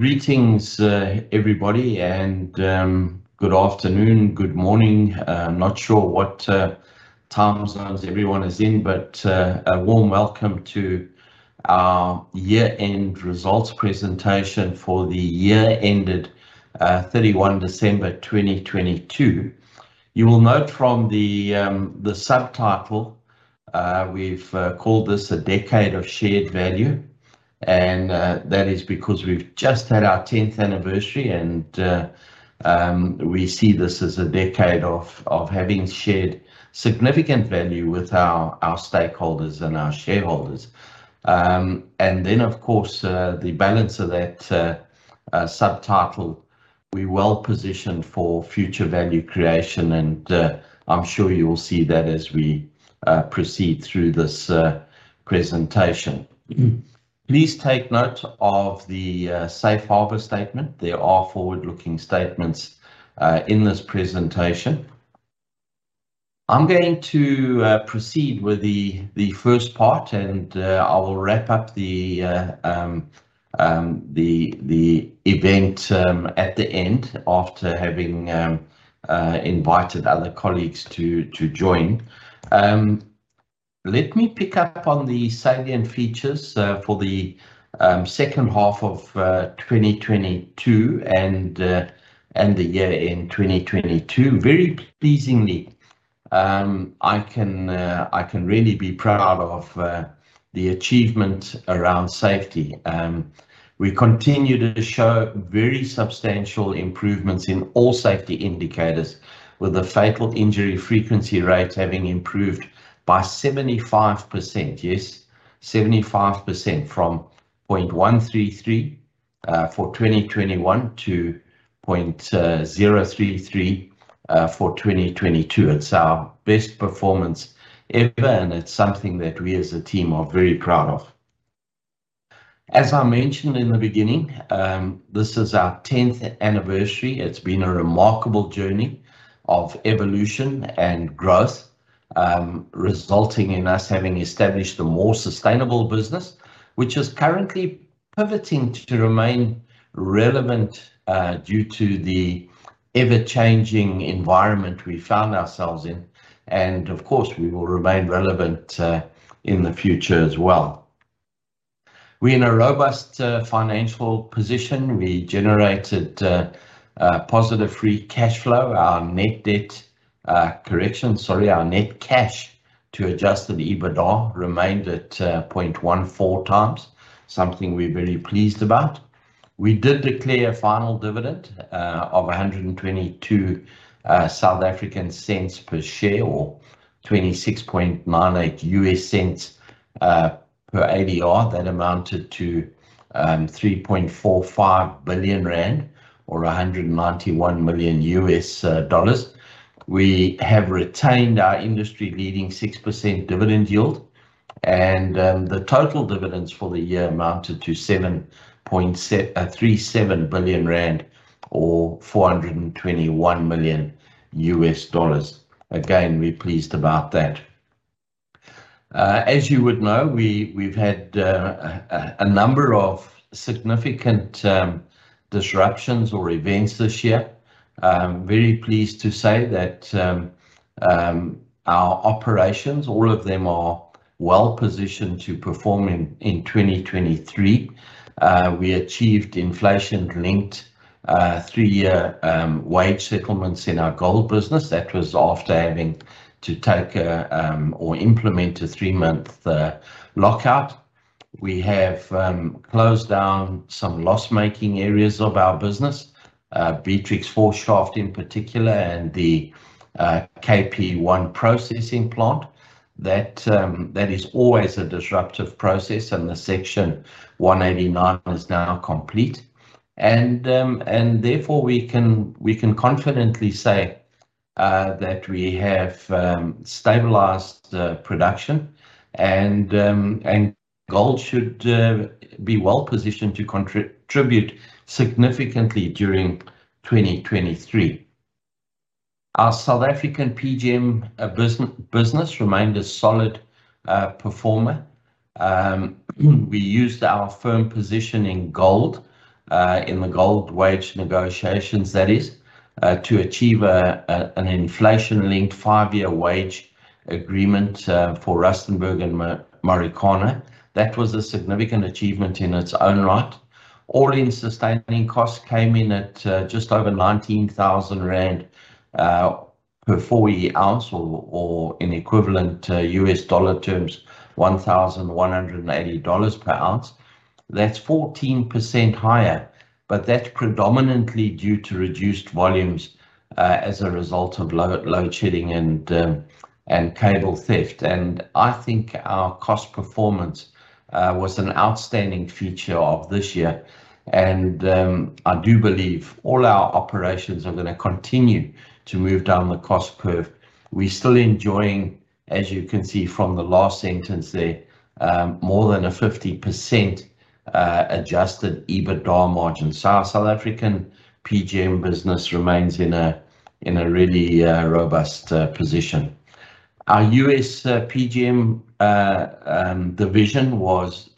Greetings, everybody, and good afternoon, good morning. I'm not sure what time zones everyone is in, but a warm welcome to our year-end results presentation for the year ended, 31 December 2022. You will note from the subtitle, we've called this A Decade of Shared Value, and that is because we've just had our 10th anniversary, and we see this as a decade of having shared significant value with our stakeholders and our shareholders. Then, of course, the balance of that subtitle, we're well-positioned for future value creation, and I'm sure you will see that as we proceed through this presentation. Please take note of the safe harbor statement. There are forward-looking statements in this presentation. I'm going to proceed with the first part, and I will wrap up the event at the end after having invited other colleagues to join. Let me pick up on the salient features for the second half of 2022 and the year-end 2022. Very pleasingly, I can really be proud of the achievement around safety. We continue to show very substantial improvements in all safety indicators with the fatal injury frequency rates having improved by 75%. A, 75% from 0.133 for 2021 to 0.033 for 2022. It's our best performance ever, and it's something that we as a team are very proud of. As I mentioned in the beginning, this is our 10th anniversary. It's been a remarkable journey of evolution and growth, resulting in us having established a more sustainable business, which is currently pivoting to remain relevant due to the ever-changing environment we found ourselves in. Of course, we will remain relevant in the future as well. We're in a robust financial position. We generated a positive free cash flow. Correction. Sorry. Our net cash to Adjusted EBITDA remained at 0.14x, something we're very pleased about. We did declare final dividend of 1.22 per share or $0.2698 per ADR. That amounted to 3.45 billion rand or $191 million. We have retained our industry-leading 6% dividend yield, the total dividends for the year amounted to 7.37 billion rand or $421 million. We're pleased about that. As you would know, we've had a number of significant disruptions or events this year. I'm very pleased to say that our operations, all of them are well positioned to perform in 2023. We achieved inflation-linked, 3-year wage settlements in our gold business. That was after having to take or implement a 3-month lockout. We have closed down some loss-making areas of our business, Beatrix 4 Shaft in particular, and the KP1 processing plant. That is always a disruptive process, and the Section 189 is now complete. Therefore we can confidently say that we have stabilized production, and gold should be well positioned to contribute significantly during 2023. Our South African PGM business remained a solid performer. We used our firm position in gold in the gold wage negotiations, that is, to achieve an inflation-linked five-year wage agreement for Rustenburg and Marikana. That was a significant achievement in its own right. All-in sustaining costs came in at just over 19,000 rand per 4E ounce or in equivalent US dollar terms, $1,180 per ounce. That's 14% higher, predominantly due to reduced volumes as a result of load shedding and cable theft. I think our cost performance was an outstanding feature of this year, I do believe all our operations are going to continue to move down the cost curve. We're still enjoying, as you can see from the last sentence there, more than a 50% Adjusted EBITDA margin. Our South African PGM business remains in a really robust position. Our U.S. PGM division was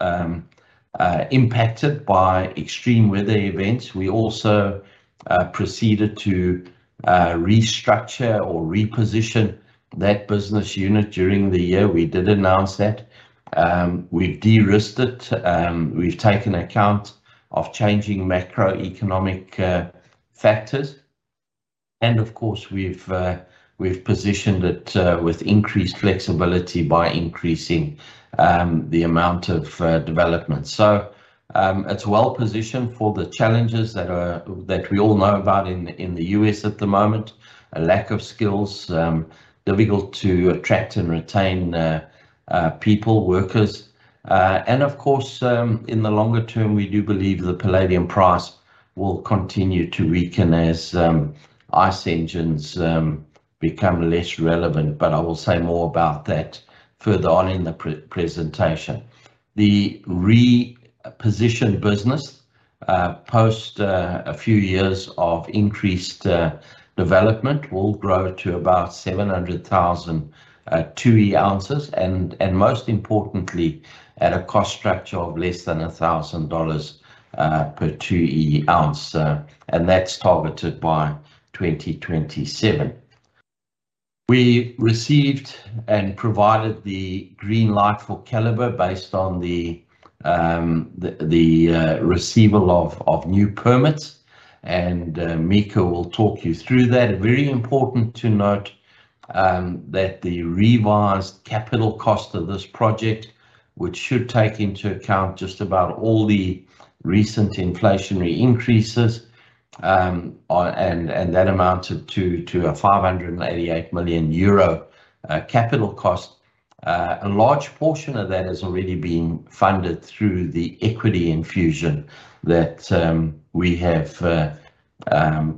impacted by extreme weather events. We also proceeded to restructure or reposition that business unit during the year. We did announce that. We've de-risked it, we've taken account of changing macroeconomic factors and of course, we've positioned it with increased flexibility by increasing the amount of development. It's well-positioned for the challenges that we all know about in the U.S. at the moment. A lack of skills, difficult to attract and retain people, workers. Of course, in the longer term, we do believe the palladium price will continue to weaken as ICE engines become less relevant. I will say more about that further on in the pre-presentation. The repositioned business, post a few years of increased development will grow to about 700,000 2E ounces, most importantly, at a cost structure of less than $1,000 per 2E ounce, and that's targeted by 2027. We received and provided the green light for Keliber based on the receival of new permits, and Mika Seitovirta will talk you through that. Very important to note that the revised capital cost of this project, which should take into account just about all the recent inflationary increases, and that amounted to a 588 million euro capital cost. A large portion of that has already been funded through the equity infusion that we have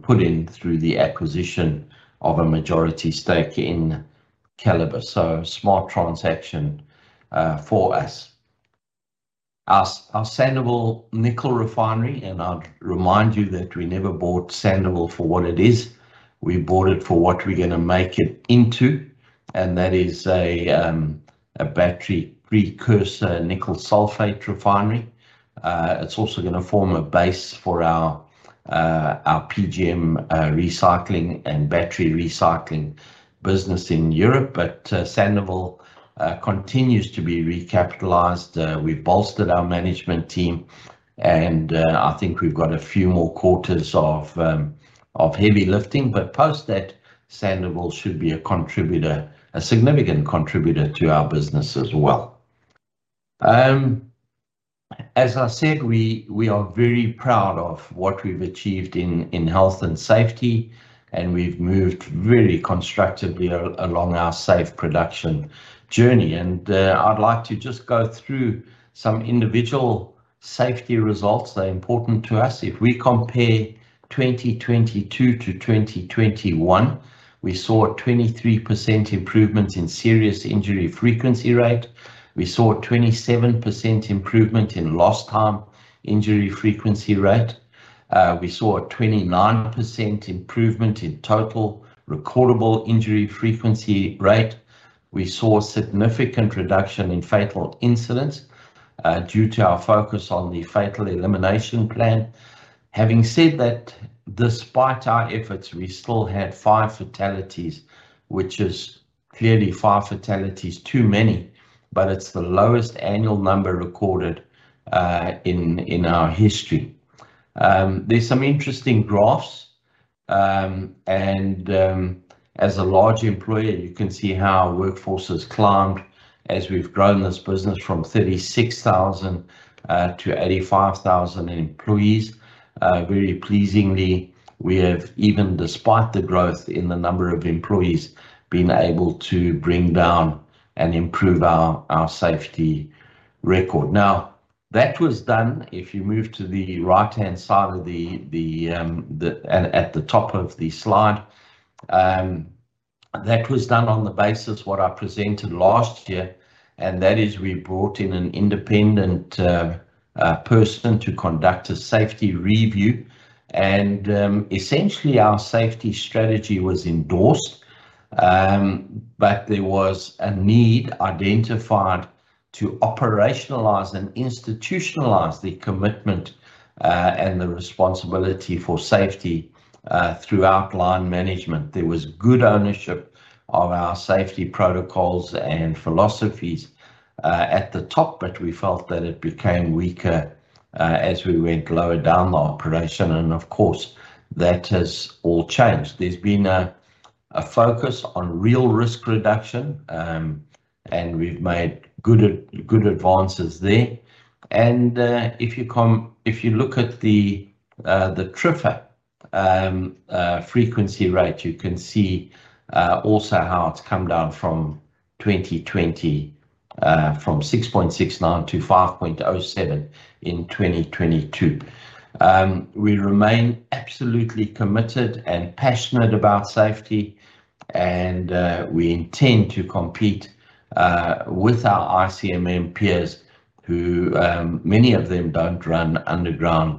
put in through the acquisition of a majority stake in Keliber. A smart transaction for us. Our Sandouville Nickel Refinery, and I'll remind you that we never bought Sandouville for what it is. We bought it for what we're gonna make it into, and that is a battery precursor nickel sulfate refinery. It's also gonna form a base for our PGM recycling and battery recycling business in Europe. Sandouville continues to be recapitalized. We've bolstered our management team, and I think we've got a few more quarters of heavy lifting. Post that, Sandouville should be a contributor, a significant contributor to our business as well. As I said, we are very proud of what we've achieved in health and safety, and we've moved very constructively along our safe production journey. I'd like to just go through some individual safety results. They're important to us. If we compare 2022 to 2021, we saw a 23% improvement in Serious Injury Frequency Rate. We saw a 27% improvement in Lost Time Injury Frequency Rate. We saw a 29% improvement in Total Recordable Injury Frequency Rate. We saw a significant reduction in fatal incidents due to our focus on the Fatal Elimination plan. Having said that, despite our efforts, we still had 5 fatalities, which is clearly 5 fatalities too many, but it's the lowest annual number recorded in our history. There's some interesting graphs, as a large employer, you can see how our workforce has climbed as we've grown this business from 36,000 to 85,000 employees. Very pleasingly, we have, even despite the growth in the number of employees, been able to bring down and improve our safety record. If you move to the right-hand side of the, the, at the top of the slide, that was done on the basis what I presented last year, and that is we brought in an independent person to conduct a safety review. Essentially, our safety strategy was endorsed, but there was a need identified to operationalize and institutionalize the commitment and the responsibility for safety throughout line management. There was good ownership of our safety protocols and philosophies at the top, but we felt that it became weaker as we went lower down the operation. Of course, that has all changed. There's been a focus on real risk reduction, and we've made good advances there. If you look at the TRIFR frequency rate, you can see also how it's come down from 2020, from 6.69 to 5.07 in 2022. We remain absolutely committed and passionate about safety. We intend to compete with our ICMM peers who many of them don't run underground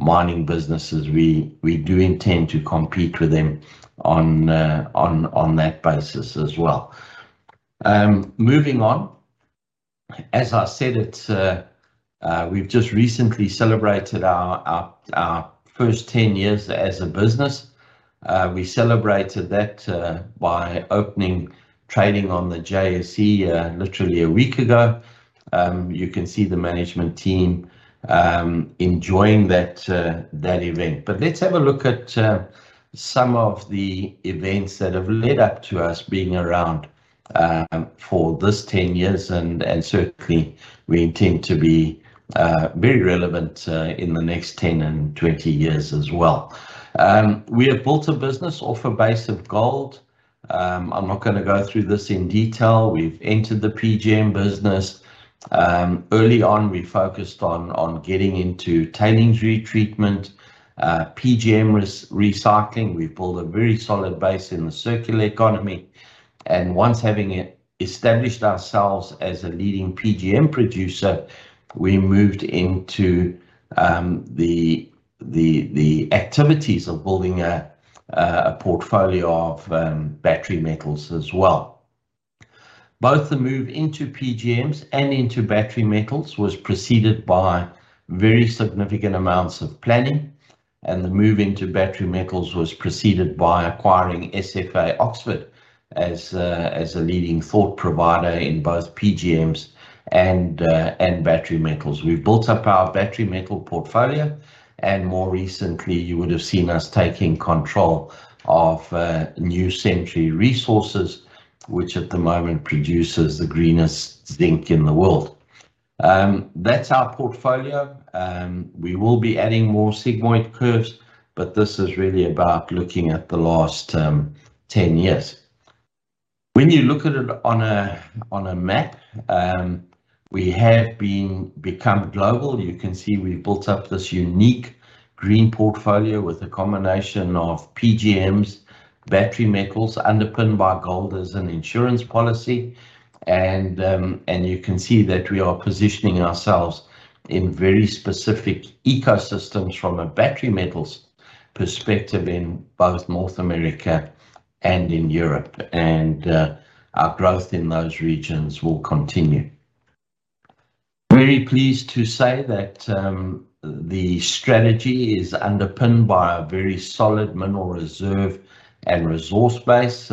mining businesses. We do intend to compete with them on that basis as well. Moving on, as I said, we've just recently celebrated our first 10 years as a business. We celebrated that by opening trading on the JSE literally a week ago. You can see the management team enjoying that event. Let's have a look at some of the events that have led up to us being around for this 10 years. Certainly we intend to be very relevant in the next 10 and 20 years as well. We have built a business off a base of gold. I'm not gonna go through this in detail. We've entered the PGM business. Early on, we focused on getting into tailings retreatment, PGM recycling. We've built a very solid base in the circular economy, and once having established ourselves as a leading PGM producer, we moved into the activities of building a portfolio of battery metals as well. Both the move into PGMs and into battery metals was preceded by very significant amounts of planning, and the move into battery metals was preceded by acquiring SFA (Oxford) as a leading thought provider in both PGMs and battery metals. We've built up our battery metal portfolio, and more recently you would have seen us taking control of New Century Resources, which at the moment produces the greenest zinc in the world. That's our portfolio. We will be adding more sigmoid curves, but this is really about looking at the last ten years. When you look at it on a map, we become global. You can see we built up this unique green portfolio with a combination of PGMs, battery metals, underpinned by gold as an insurance policy. You can see that we are positioning ourselves in very specific ecosystems from a battery metals perspective in both North America and in Europe. Our growth in those regions will continue. Very pleased to say that the strategy is underpinned by a very solid mineral reserve and resource base.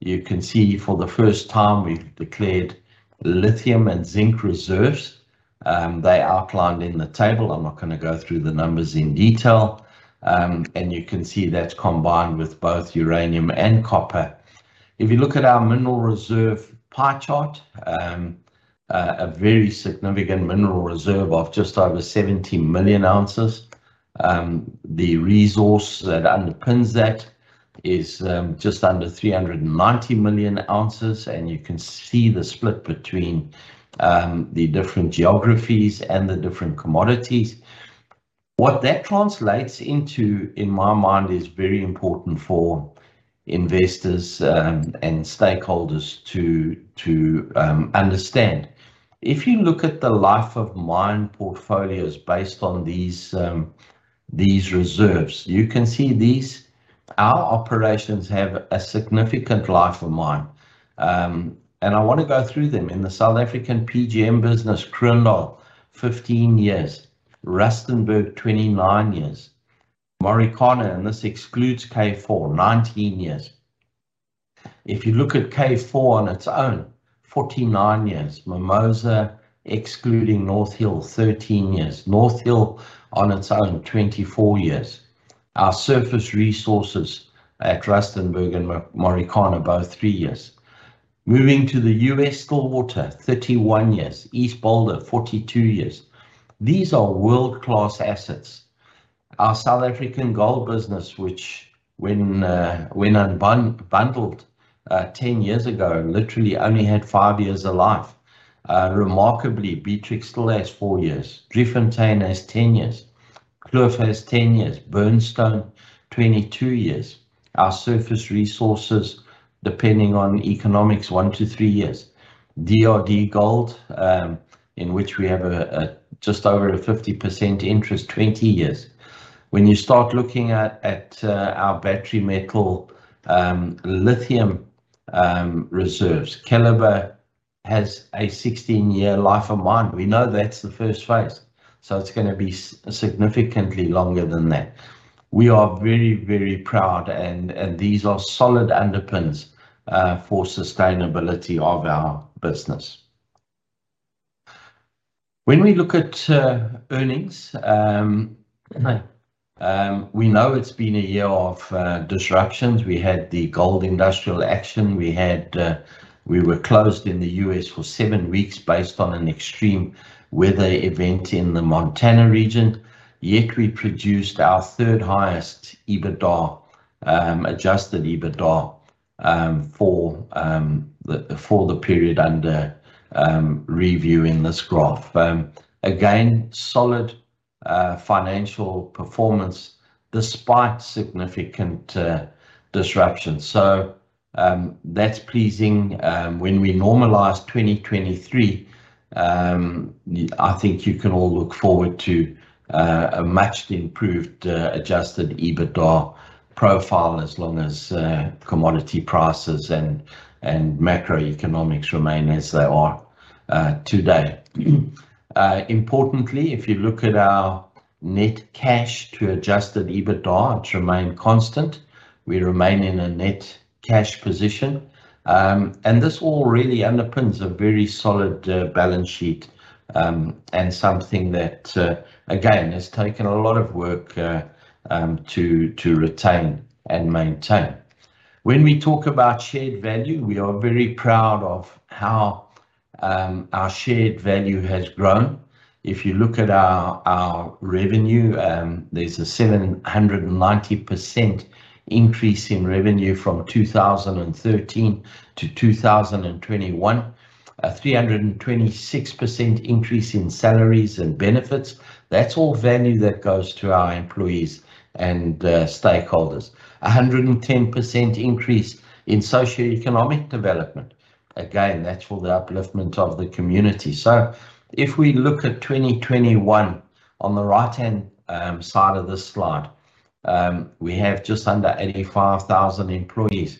You can see for the first time, we've declared lithium and zinc reserves, they're outlined in the table. I'm not gonna go through the numbers in detail. You can see that combined with both uranium and copper. If you look at our mineral reserve pie chart, a very significant mineral reserve of just over 70 million ounces. The resource that underpins that is just under 390 million ounces, and you can see the split between the different geographies and the different commodities. What that translates into, in my mind, is very important for investors and stakeholders to understand. If you look at the life of mine portfolios based on these reserves, you can see our operations have a significant life of mine. I wanna go through them. In the South African PGM business, Kroondal, 15 years. Rustenburg, 29 years. Marikana, this excludes K4, 19 years. If you look at K4 on its own, 49 years. Mimosa, excluding North Hill, 13 years. North Hill on its own, 24 years. Our surface resources at Rustenburg and Marikana, both 3 years. Moving to the U.S., Stillwater, 31 years. East Boulder, 42 years. These are world-class assets. Our South African gold business, which when unbundled, 10 years ago, literally only had 5 years of life. Remarkably, Beatrix still has 4 years. Driefontein has 10 years. Kloof has 10 years. Burnstone, 22 years. Our surface resources, depending on economics, 1 to 3 years. DRDGOLD, in which we have just over a 50% interest, 20 years. When you start looking at our battery metal, lithium, reserves, Keliber has a 16-year life of mine. We know that's the first phase, so it's gonna be significantly longer than that. We are very proud and these are solid underpins for sustainability of our business. When we look at earnings, we know it's been a year of disruptions. We had the gold industrial action. We were closed in the U.S. for 7 weeks based on an extreme weather event in the Montana region. Yet we produced our third highest EBITDA, Adjusted EBITDA, for the period under review in this graph. Again, solid financial performance despite significant disruption. That's pleasing. When we normalize 2023, I think you can all look forward to a much improved Adjusted EBITDA profile as long as commodity prices and macroeconomics remain as they are today. Importantly, if you look at our net cash to Adjusted EBITDA, it remain constant. We remain in a net cash position. This all really underpins a very solid balance sheet, and something that again, has taken a lot of work to retain and maintain. When we talk about shared value, we are very proud of how our shared value has grown. If you look at our revenue, there's a 790% increase in revenue from 2013 to 2021. A 326% increase in salaries and benefits. That's all value that goes to our employees and stakeholders. A 110% increase in socioeconomic development. Again, that's for the upliftment of the community. If we look at 2021 on the right-hand side of this slide, we have just under 85,000 employees.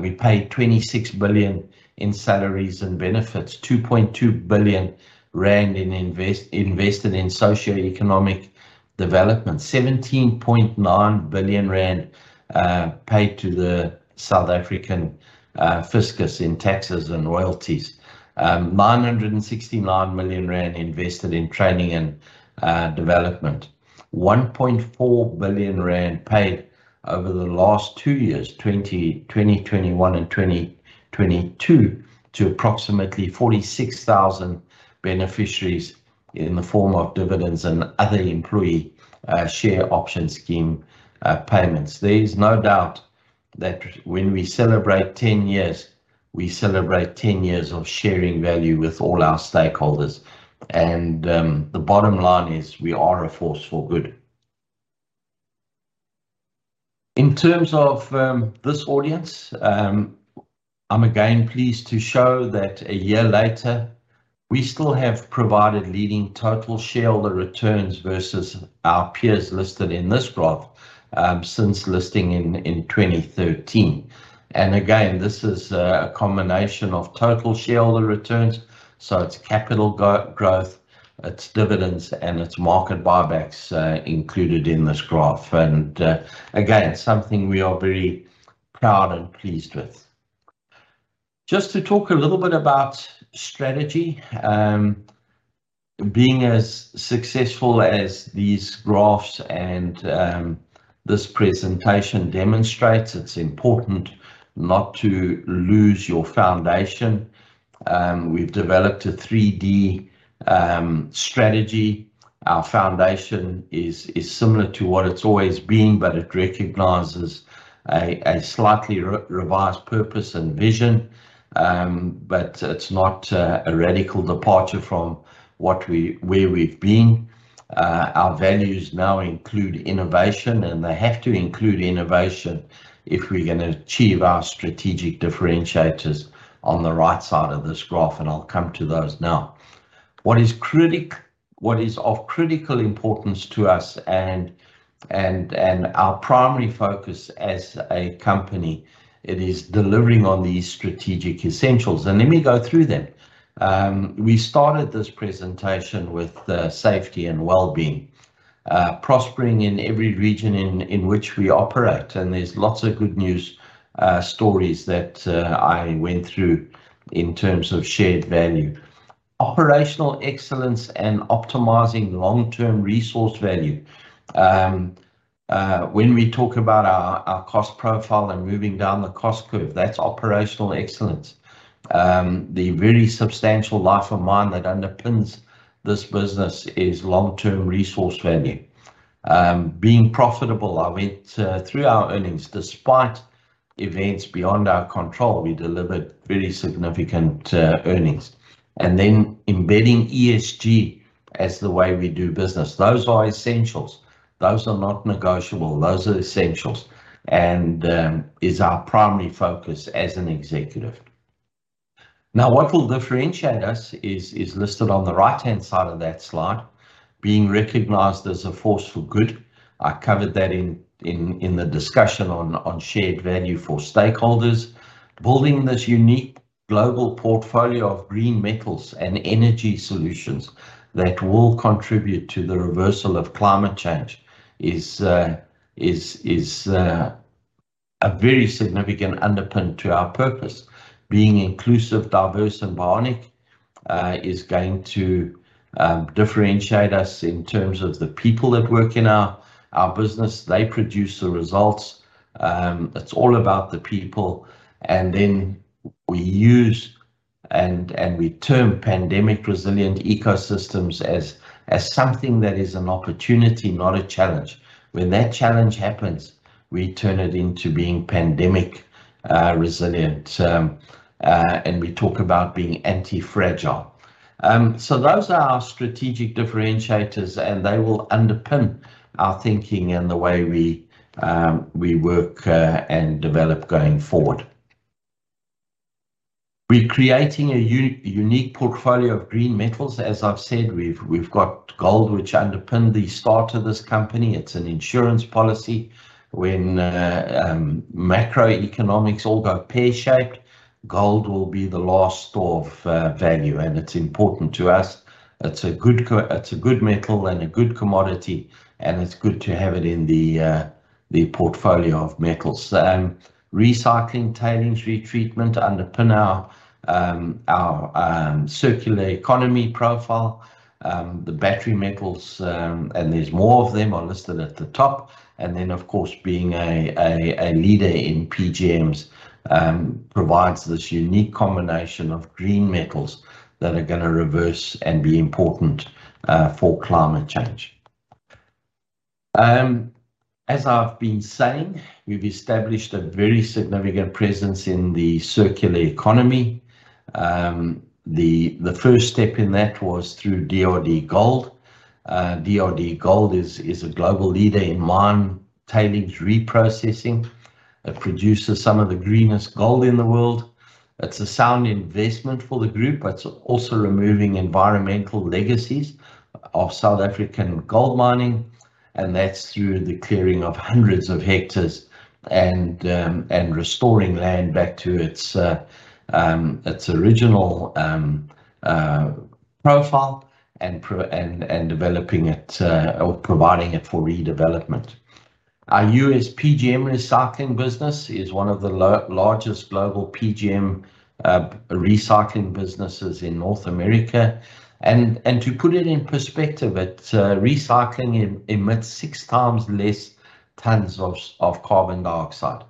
We paid 26 billion in salaries and benefits, 2.2 billion rand invested in socioeconomic development. 17.9 billion rand paid to the South African fiscus in taxes and royalties. 969 million rand invested in training and development. 1.4 billion rand paid over the last 2 years, 2020, 2021 and 2022 to approximately 46,000 beneficiaries in the form of dividends and other employee share option scheme payments. There is no doubt that when we celebrate 10 years, we celebrate 10 years of sharing value with all our stakeholders. The bottom line is we are a force for good. In terms of this audience, I'm again pleased to show that a year later, we still have provided leading total shareholder returns versus our peers listed in this graph since listing in 2013. Again, this is a combination of total shareholder returns, so it's capital growth, it's dividends, and it's market buybacks included in this graph. Again, something we are very proud and pleased with. Just to talk a little bit about strategy. Being as successful as these graphs and this presentation demonstrates, it's important not to lose your foundation. We've developed a 3D strategy. Our foundation is similar to what it's always been, but it recognizes a slightly revised purpose and vision. It's not a radical departure from where we've been. Our values now include innovation, and they have to include innovation if we're going to achieve our strategic differentiators on the right side of this graph. I'll come to those now. What is of critical importance to us and our primary focus as a company, it is delivering on these strategic essentials. Let me go through them. We started this presentation with the safety and well-being. Prospering in every region in which we operate, and there's lots of good news stories that I went through in terms of shared value. Operational excellence and optimizing long-term resource value. When we talk about our cost profile and moving down the cost curve, that's operational excellence. The very substantial life of mine that underpins this business is long-term resource value. Being profitable, I went through our earnings. Despite events beyond our control, we delivered very significant earnings. Embedding ESG as the way we do business. Those are essentials. Those are not negotiable. Those are essentials, and is our primary focus as an executive. What will differentiate us is listed on the right-hand side of that slide. Being recognized as a force for good, I covered that in the discussion on shared value for stakeholders. Building this unique global portfolio of green metals and energy solutions that will contribute to the reversal of climate change is a very significant underpin to our purpose. Being inclusive, diverse, and bionic is going to differentiate us in terms of the people that work in our business. They produce the results. It's all about the people. We use and we term pandemic resilient ecosystems as something that is an opportunity, not a challenge. We turn it into being pandemic resilient. We talk about being anti-fragile. Those are our strategic differentiators, and they will underpin our thinking and the way we work and develop going forward. We're creating a unique portfolio of green metals. As I've said, we've got gold which underpinned the start of this company. It's an insurance policy. When macroeconomics all go pear-shaped, gold will be the last store of value, and it's important to us. It's a good metal and a good commodity, and it's good to have it in the portfolio of metals. Recycling tailings retreatment underpin our circular economy profile. The battery metals, there's more of them are listed at the top. Of course, being a leader in PGMs provides this unique combination of green metals that are gonna reverse and be important for climate change. As I've been saying, we've established a very significant presence in the circular economy. The first step in that was through DRDGOLD. DRDGOLD is a global leader in mine tailings reprocessing. It produces some of the greenest gold in the world. It's a sound investment for the group, but it's also removing environmental legacies of South African gold mining, and that's through the clearing of hundreds of hectares and restoring land back to its original profile and developing it or providing it for redevelopment. Our U.S. PGM recycling business is one of the largest global PGM recycling businesses in North America. To put it in perspective, it emits 6x less tons of carbon dioxide,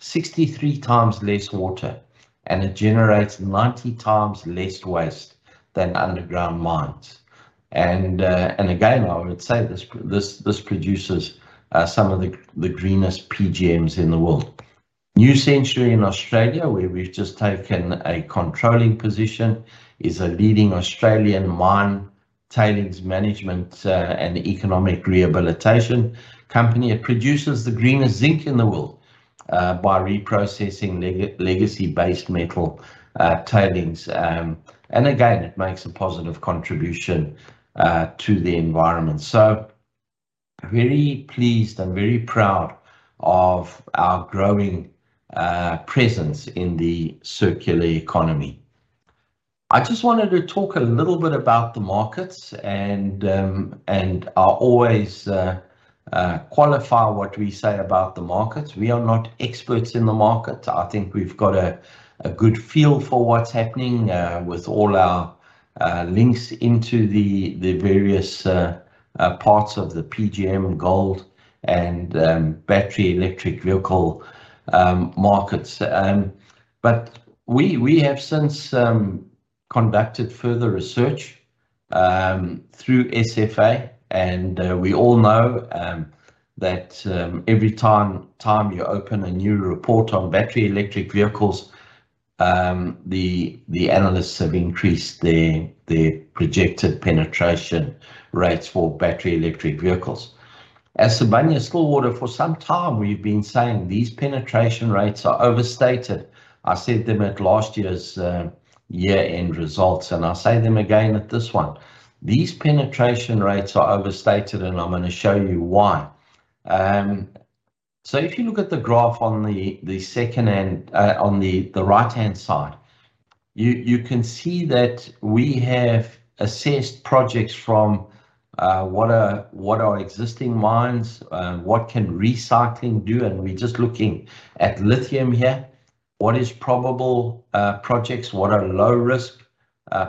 63x less water, and it generates 90x less waste than underground mines. Again, I would say this produces some of the greenest PGMs in the world. New Century in Australia, where we've just taken a controlling position, is a leading Australian mine tailings management and economic rehabilitation company. It produces the greenest zinc in the world by reprocessing legacy-based metal tailings. Again, it makes a positive contribution to the environment. Very pleased and very proud of our growing presence in the circular economy. I just wanted to talk a little bit about the markets I always qualify what we say about the markets. We are not experts in the markets. I think we've got a good feel for what's happening with all our links into the various parts of the PGM gold and Battery Electric Vehicle markets. We have since conducted further research through SFA, and we all know that every time you open a new report on Battery Electric Vehicles, the analysts have increased their projected penetration rates for Battery Electric Vehicles. At Sibanye-Stillwater, for some time we've been saying these penetration rates are overstated. I said them at last year's year-end results, and I'll say them again at this one. These penetration rates are overstated, and I'm gonna show you why. If you look at the graph on the second hand, on the right-hand side, you can see that we have assessed projects from what are existing mines, what can recycling do, and we're just looking at lithium here. What is probable projects? What are low-risk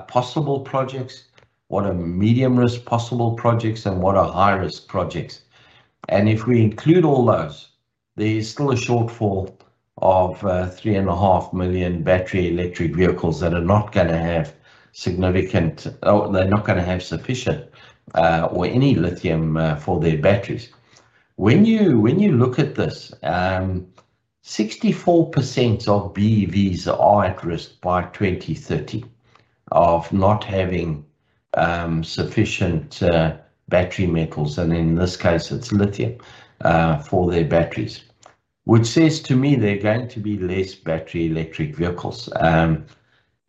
possible projects? What are medium-risk possible projects, and what are high-risk projects? If we include all those, there's still a shortfall of 3.5 million battery electric vehicles that are not gonna have sufficient or any lithium for their batteries. When you look at this, 64% of BEVs are at risk by 2030 of not having sufficient battery metals, and in this case, it's lithium for their batteries. Which says to me there are going to be less Battery Electric Vehicles.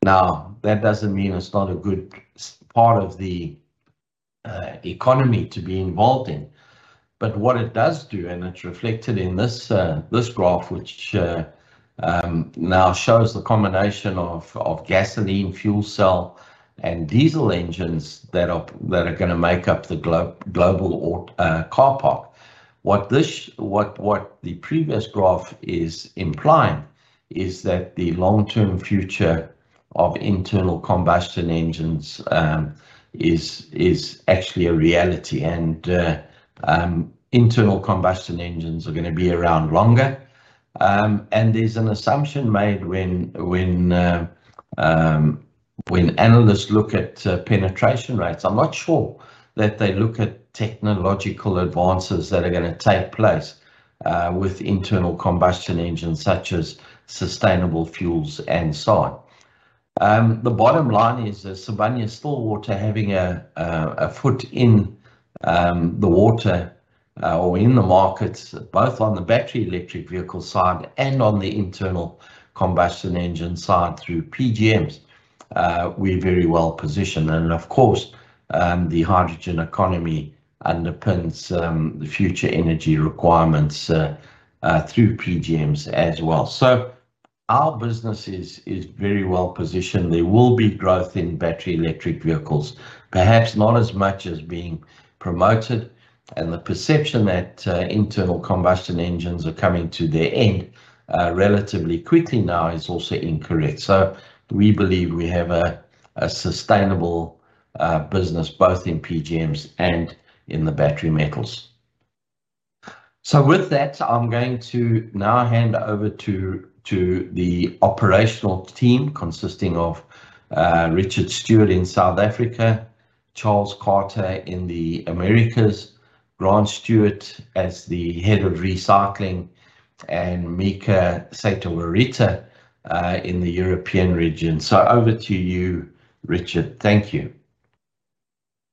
Now, that doesn't mean it's not a good part of the economy to be involved in. What it does do, and it's reflected in this graph, which now shows the combination of gasoline, fuel cell, and diesel engines that are gonna make up the global car park. What the previous graph is implying is that the long-term future of internal combustion engines is actually a reality. Internal combustion engines are gonna be around longer. There's an assumption made when analysts look at penetration rates, I'm not sure that they look at technological advances that are gonna take place with internal combustion engines such as sustainable fuels and so on. The bottom line is that Sibanye-Stillwater having a foot in the water or in the markets, both on the battery electric vehicle side and on the internal combustion engine side through PGMs, we're very well-positioned. Of course, the hydrogen economy underpins the future energy requirements through PGMs as well. Our business is very well-positioned. There will be growth in battery electric vehicles, perhaps not as much as being promoted. The perception that internal combustion engines are coming to their end relatively quickly now is also incorrect. We believe we have a sustainable business both in PGMs and in the battery metals. With that, I'm going to now hand over to the operational team consisting of Richard Stewart in South Africa, Charles Carter in the Americas, Grant Stewart as the head of recycling, and Mika Seitovirta in the European region. Over to you, Richard. Thank you.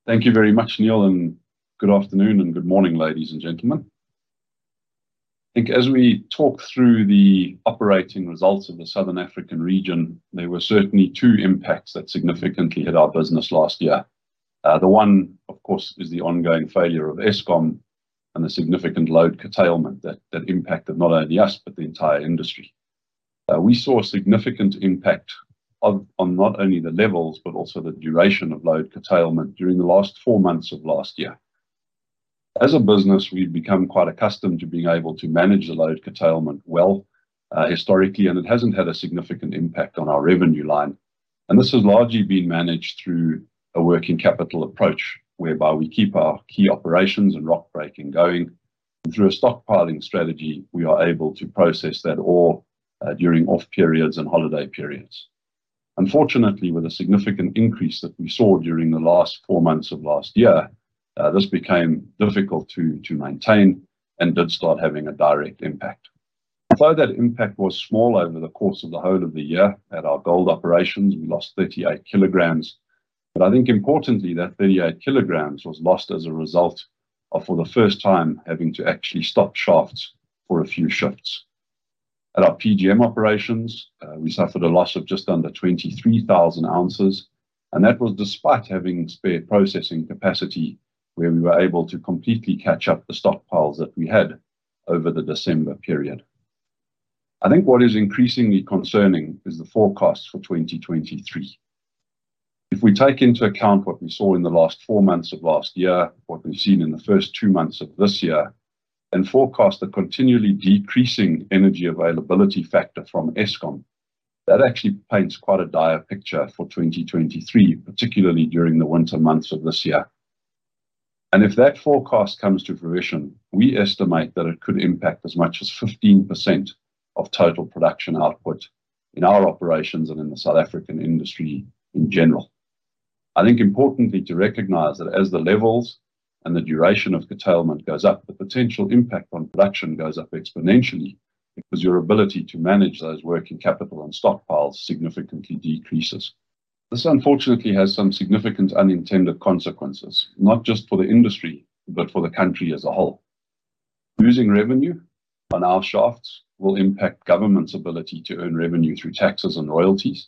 Thank you very much, Neal, and good afternoon and good morning, ladies and gentlemen. I think as we talk through the operating results of the Southern African region, there were certainly 2 impacts that significantly hit our business last year. The one, of course, is the ongoing failure of Eskom and the significant load curtailment that impacted not only us but the entire industry. We saw a significant impact on not only the levels but also the duration of load curtailment during the last 4 months of last year. As a business, we've become quite accustomed to being able to manage the load curtailment well, historically, and it hasn't had a significant impact on our revenue line. This has largely been managed through a working capital approach, whereby we keep our key operations and rock breaking going. Through a stockpiling strategy, we are able to process that ore during off periods and holiday periods. Unfortunately, with a significant increase that we saw during the last 4 months of 2022, this became difficult to maintain and did start having a direct impact. Although that impact was small over the course of the whole of the year, at our gold operations, we lost 38 kilograms. I think importantly, that 38 kilograms was lost as a result of for the first time having to actually stop shafts for a few shifts. At our PGM operations, we suffered a loss of just under 23,000 ounces, and that was despite having spare processing capacity where we were able to completely catch up the stockpiles that we had over the December period. I think what is increasingly concerning is the forecast for 2023. If we take into account what we saw in the last four months of last year, what we've seen in the first two months of this year, and forecast a continually decreasing Energy Availability Factor from Eskom, that actually paints quite a dire picture for 2023, particularly during the winter months of this year. If that forecast comes to fruition, we estimate that it could impact as much as 15% of total production output in our operations and in the South African industry in general. I think importantly to recognize that as the levels and the duration of curtailment goes up, the potential impact on production goes up exponentially because your ability to manage those working capital and stockpiles significantly decreases. This unfortunately has some significant unintended consequences, not just for the industry, but for the country as a whole. Losing revenue on our shafts will impact government's ability to earn revenue through taxes and royalties.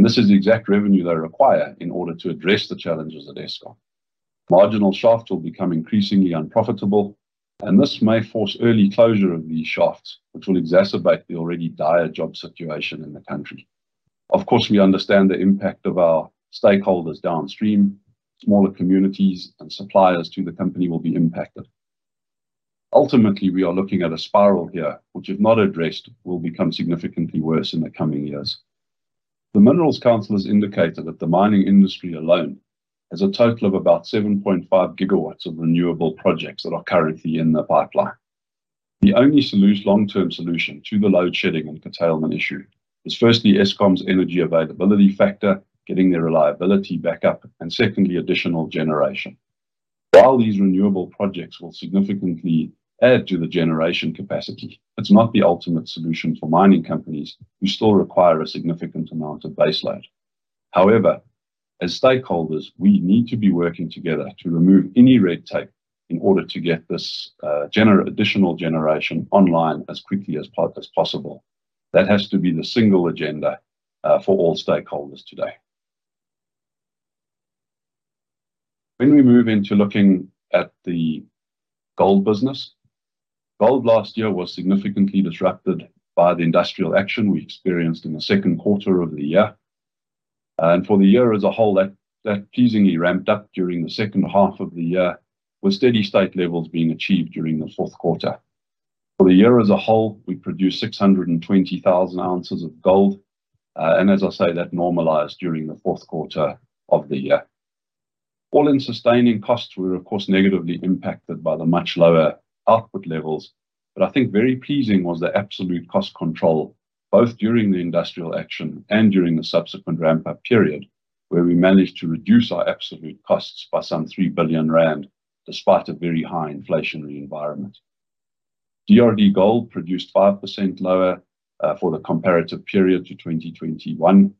This is the exact revenue they require in order to address the challenges at Eskom. Marginal shaft will become increasingly unprofitable. This may force early closure of these shafts, which will exacerbate the already dire job situation in the country. Of course, we understand the impact of our stakeholders downstream. Smaller communities and suppliers to the company will be impacted. Ultimately, we are looking at a spiral here, which if not addressed, will become significantly worse in the coming years. The Minerals Council has indicated that the mining industry alone has a total of about 7.5 GW of renewable projects that are currently in the pipeline. The only long-term solution to the load shedding and curtailment issue is firstly Eskom's Energy Availability Factor, getting their reliability back up and secondly, additional generation. These renewable projects will significantly add to the generation capacity, it's not the ultimate solution for mining companies who still require a significant amount of base load. As stakeholders, we need to be working together to remove any red tape in order to get this additional generation online as quickly as possible. That has to be the single agenda for all stakeholders today. We move into looking at the gold business, gold last year was significantly disrupted by the industrial action we experienced in the second quarter of the year. For the year as a whole, that pleasingly ramped up during the second half of the year, with steady state levels being achieved during the fourth quarter. For the year as a whole, we produced 620,000 ounces of gold, and as I say, that normalized during the fourth quarter of the year. All-in Sustaining Costs were of course negatively impacted by the much lower output levels. I think very pleasing was the absolute cost control, both during the industrial action and during the subsequent ramp-up period, where we managed to reduce our absolute costs by some 3 billion rand despite a very high inflationary environment. DRDGOLD produced 5% lower for the comparative period to 2021,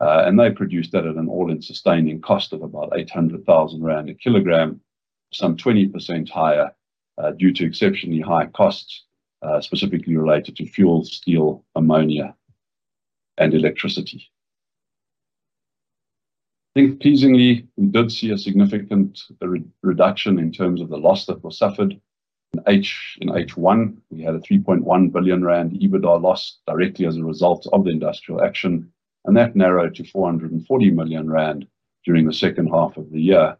and they produced that at an all-in sustaining cost of about 800,000 rand a kilogram, some 20% higher, due to exceptionally high costs, specifically related to fuel, steel, ammonia and electricity. I think pleasingly, we did see a significant re-reduction in terms of the loss that was suffered. In H1, we had a 3.1 billion rand EBITDA loss directly as a result of the industrial action, and that narrowed to 440 million rand during the second half of the year.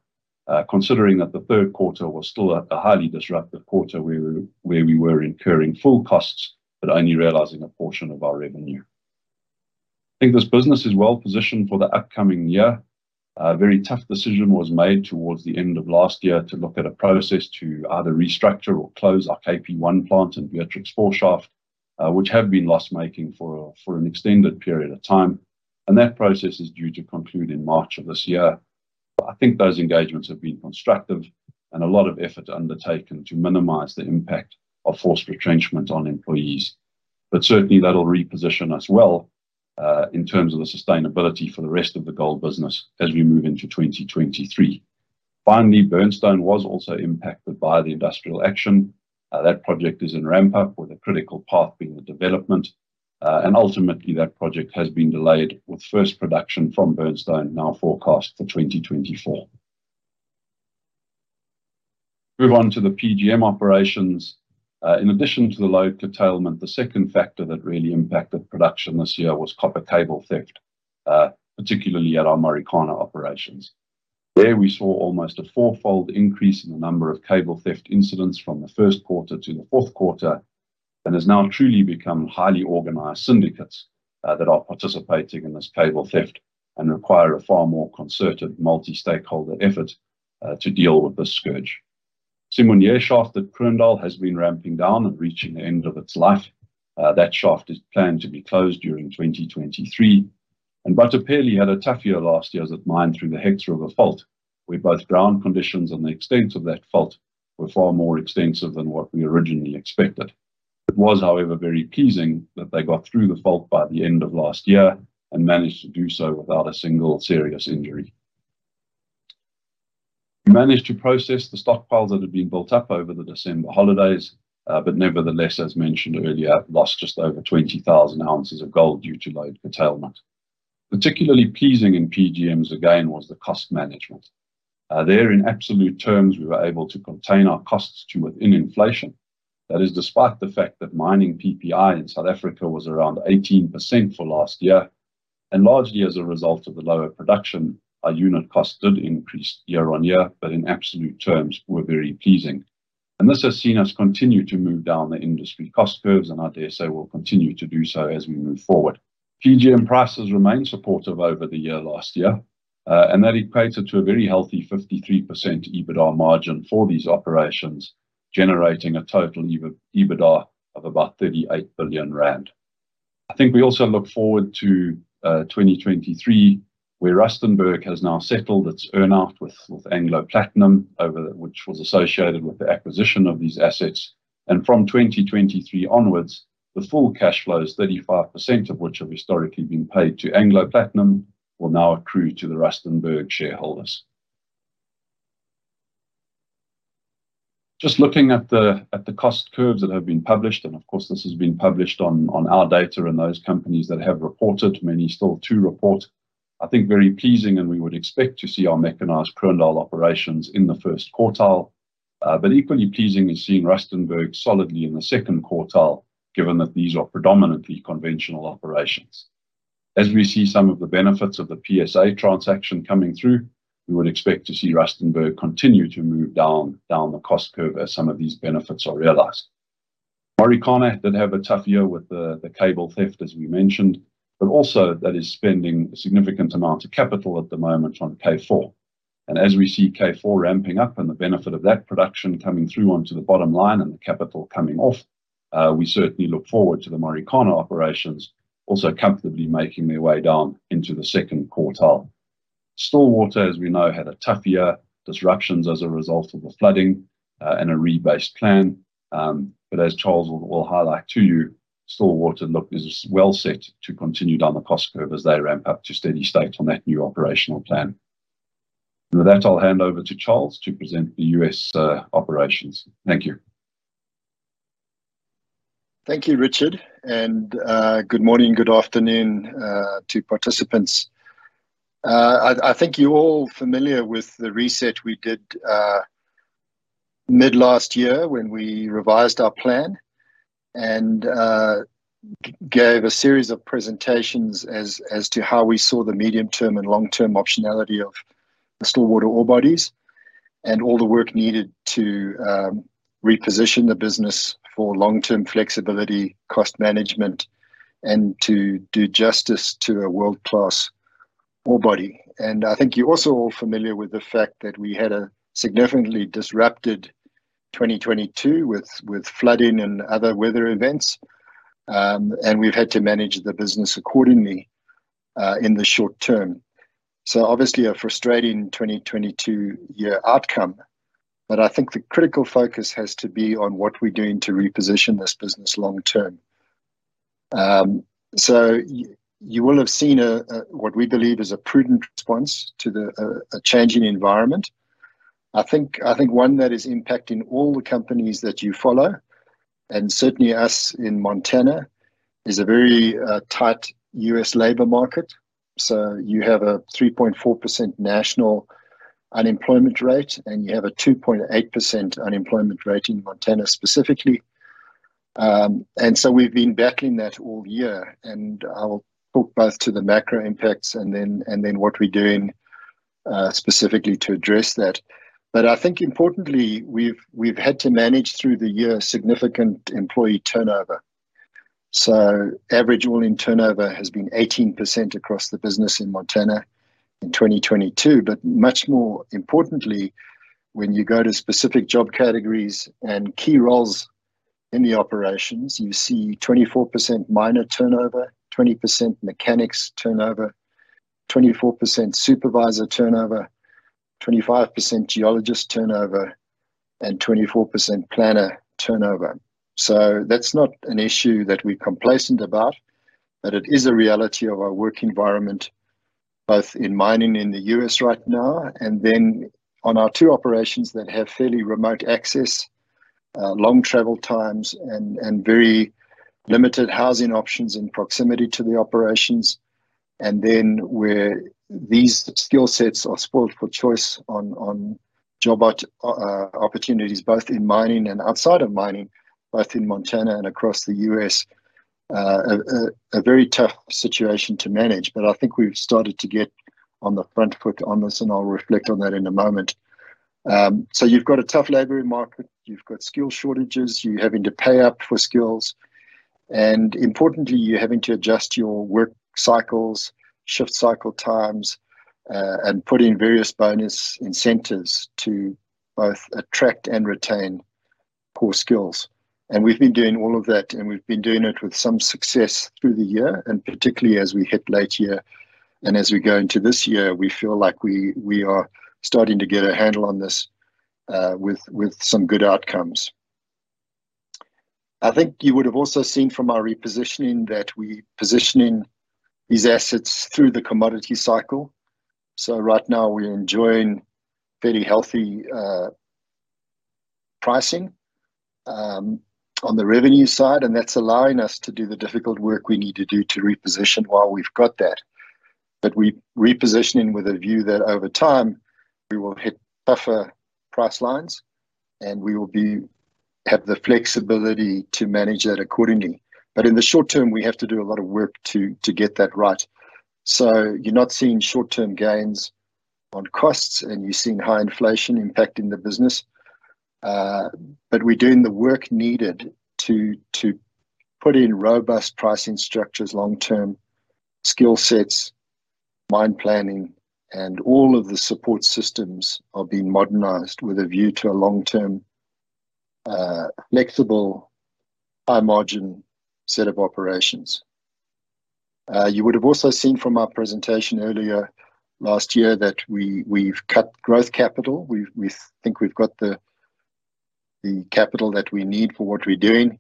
Considering that the 3Q was still at the highly disruptive quarter where we were incurring full costs but only realizing a portion of our revenue. I think this business is well positioned for the upcoming year. A very tough decision was made towards the end of last year to look at a process to either restructure or close our KP1 plant and Beatrix 4 shaft, which have been loss-making for an extended period of time, That process is due to conclude in March of this year. I think those engagements have been constructive and a lot of effort undertaken to minimize the impact of forced retrenchment on employees. Certainly that'll reposition us well in terms of the sustainability for the rest of the gold business as we move into 2023. Finally, Burnstone was also impacted by the industrial action. That project is in ramp-up with a critical path being the development, and ultimately that project has been delayed, with first production from Burnstone now forecast for 2024. Move on to the PGM operations. In addition to the load curtailment, the second factor that really impacted production this year was copper cable theft, particularly at our Marikana operations. There we saw almost a 4-fold increase in the number of cable theft incidents from the 1st quarter to the 4th quarter, and has now truly become highly organized syndicates that are participating in this cable theft and require a far more concerted multi-stakeholder effort to deal with this scourge. Simunye Shaft at Kroondal has been ramping down and reaching the end of its life. That shaft is planned to be closed during 2023. Bathopele had a tough year last year as it mined through the Hex River Fault, where both ground conditions and the extent of that fault were far more extensive than what we originally expected. It was, however, very pleasing that they got through the fault by the end of last year and managed to do so without a single serious injury. We managed to process the stockpiles that had been built up over the December holidays, but nevertheless, as mentioned earlier, lost just over 20,000 ounces of gold due to load curtailment. Particularly pleasing in PGMs, again, was the cost management. There in absolute terms we were able to contain our costs to within inflation. That is despite the fact that mining PPI in South Africa was around 18% for last year, and largely as a result of the lower production, our unit cost did increase year-on-year, but in absolute terms were very pleasing. This has seen us continue to move down the industry cost curves, and I dare say we'll continue to do so as we move forward. PGM prices remained supportive over the year last year, and that equated to a very healthy 53% EBITDA margin for these operations, generating a total EBITDA of about 38 billion rand. I think we also look forward to 2023, where Rustenburg has now settled its earn-out with Anglo American Platinum which was associated with the acquisition of these assets. From 2023 onwards, the full cash flows, 35% of which have historically been paid to Anglo American Platinum, will now accrue to the Rustenburg shareholders. Just looking at the cost curves that have been published, of course this has been published on our data and those companies that have reported, many still to report, I think very pleasing, we would expect to see our mechanized Kroondal operations in the first quartile. Equally pleasing is seeing Rustenburg solidly in the second quartile, given that these are predominantly conventional operations. As we see some of the benefits of the PSA transaction coming through, we would expect to see Rustenburg continue to move down the cost curve as some of these benefits are realized. Marikana did have a tough year with the cable theft, as we mentioned, also that is spending a significant amount of capital at the moment on K4. As we see K4 ramping up and the benefit of that production coming through onto the bottom line and the capital coming off, we certainly look forward to the Marikana operations also comfortably making their way down into the second quartile. Stillwater, as we know, had a tough year, disruptions as a result of the flooding, and a rebased plan. As Charles will highlight to you, Stillwater look as well set to continue down the cost curve as they ramp up to steady state on that new operational plan. With that, I'll hand over to Charles to present the U.S. operations. Thank you. Thank you, Richard, and good morning, good afternoon to participants. I think you're all familiar with the reset we did mid-last year when we revised our plan and gave a series of presentations as to how we saw the medium-term and long-term optionality of the Stillwater ore bodies. All the work needed to reposition the business for long-term flexibility, cost management, and to do justice to a world-class ore body. I think you're also all familiar with the fact that we had a significantly disrupted 2022 with flooding and other weather events. And we've had to manage the business accordingly in the short term. Obviously a frustrating 2022 year outcome. I think the critical focus has to be on what we're doing to reposition this business long term. You will have seen a what we believe is a prudent response to a changing environment. I think one that is impacting all the companies that you follow, and certainly us in Montana, is a very tight U.S. labor market. You have a 3.4% national unemployment rate, and you have a 2.8% unemployment rate in Montana specifically. We've been battling that all year, and I will talk both to the macro impacts and then what we're doing specifically to address that. I think importantly, we've had to manage through the year significant employee turnover. Average all-in turnover has been 18% across the business in Montana in 2022. Much more importantly, when you go to specific job categories and key roles in the operations, you see 24% miner turnover, 20% mechanics turnover, 24% supervisor turnover, 25% geologist turnover, and 24% planner turnover. That's not an issue that we're complacent about, but it is a reality of our work environment, both in mining in the U.S. right now and then on our two operations that have fairly remote access, long travel times and very limited housing options in proximity to the operations. Then where these skill sets are spoiled for choice on job opportunities, both in mining and outside of mining, both in Montana and across the U.S. A very tough situation to manage, I think we've started to get on the front foot on this, and I'll reflect on that in a moment. You've got a tough labor market, you've got skill shortages, you're having to pay up for skills. Importantly, you're having to adjust your work cycles, shift cycle times, and put in various bonus incentives to both attract and retain core skills. We've been doing all of that, and we've been doing it with some success through the year, and particularly as we hit late year and as we go into this year, we feel like we are starting to get a handle on this, with some good outcomes. I think you would have also seen from our repositioning that we positioning these assets through the commodity cycle. Right now we're enjoying very healthy pricing on the revenue side, and that's allowing us to do the difficult work we need to do to reposition while we've got that. We repositioning with a view that over time we will hit tougher price lines, and we will have the flexibility to manage that accordingly. In the short term, we have to do a lot of work to get that right. You're not seeing short-term gains on costs, and you're seeing high inflation impacting the business. We're doing the work needed to put in robust pricing structures, long-term skill sets, mine planning, and all of the support systems are being modernized with a view to a long-term flexible, high margin set of operations. You would have also seen from our presentation earlier last year that we've cut growth capital. We think we've got the capital that we need for what we're doing.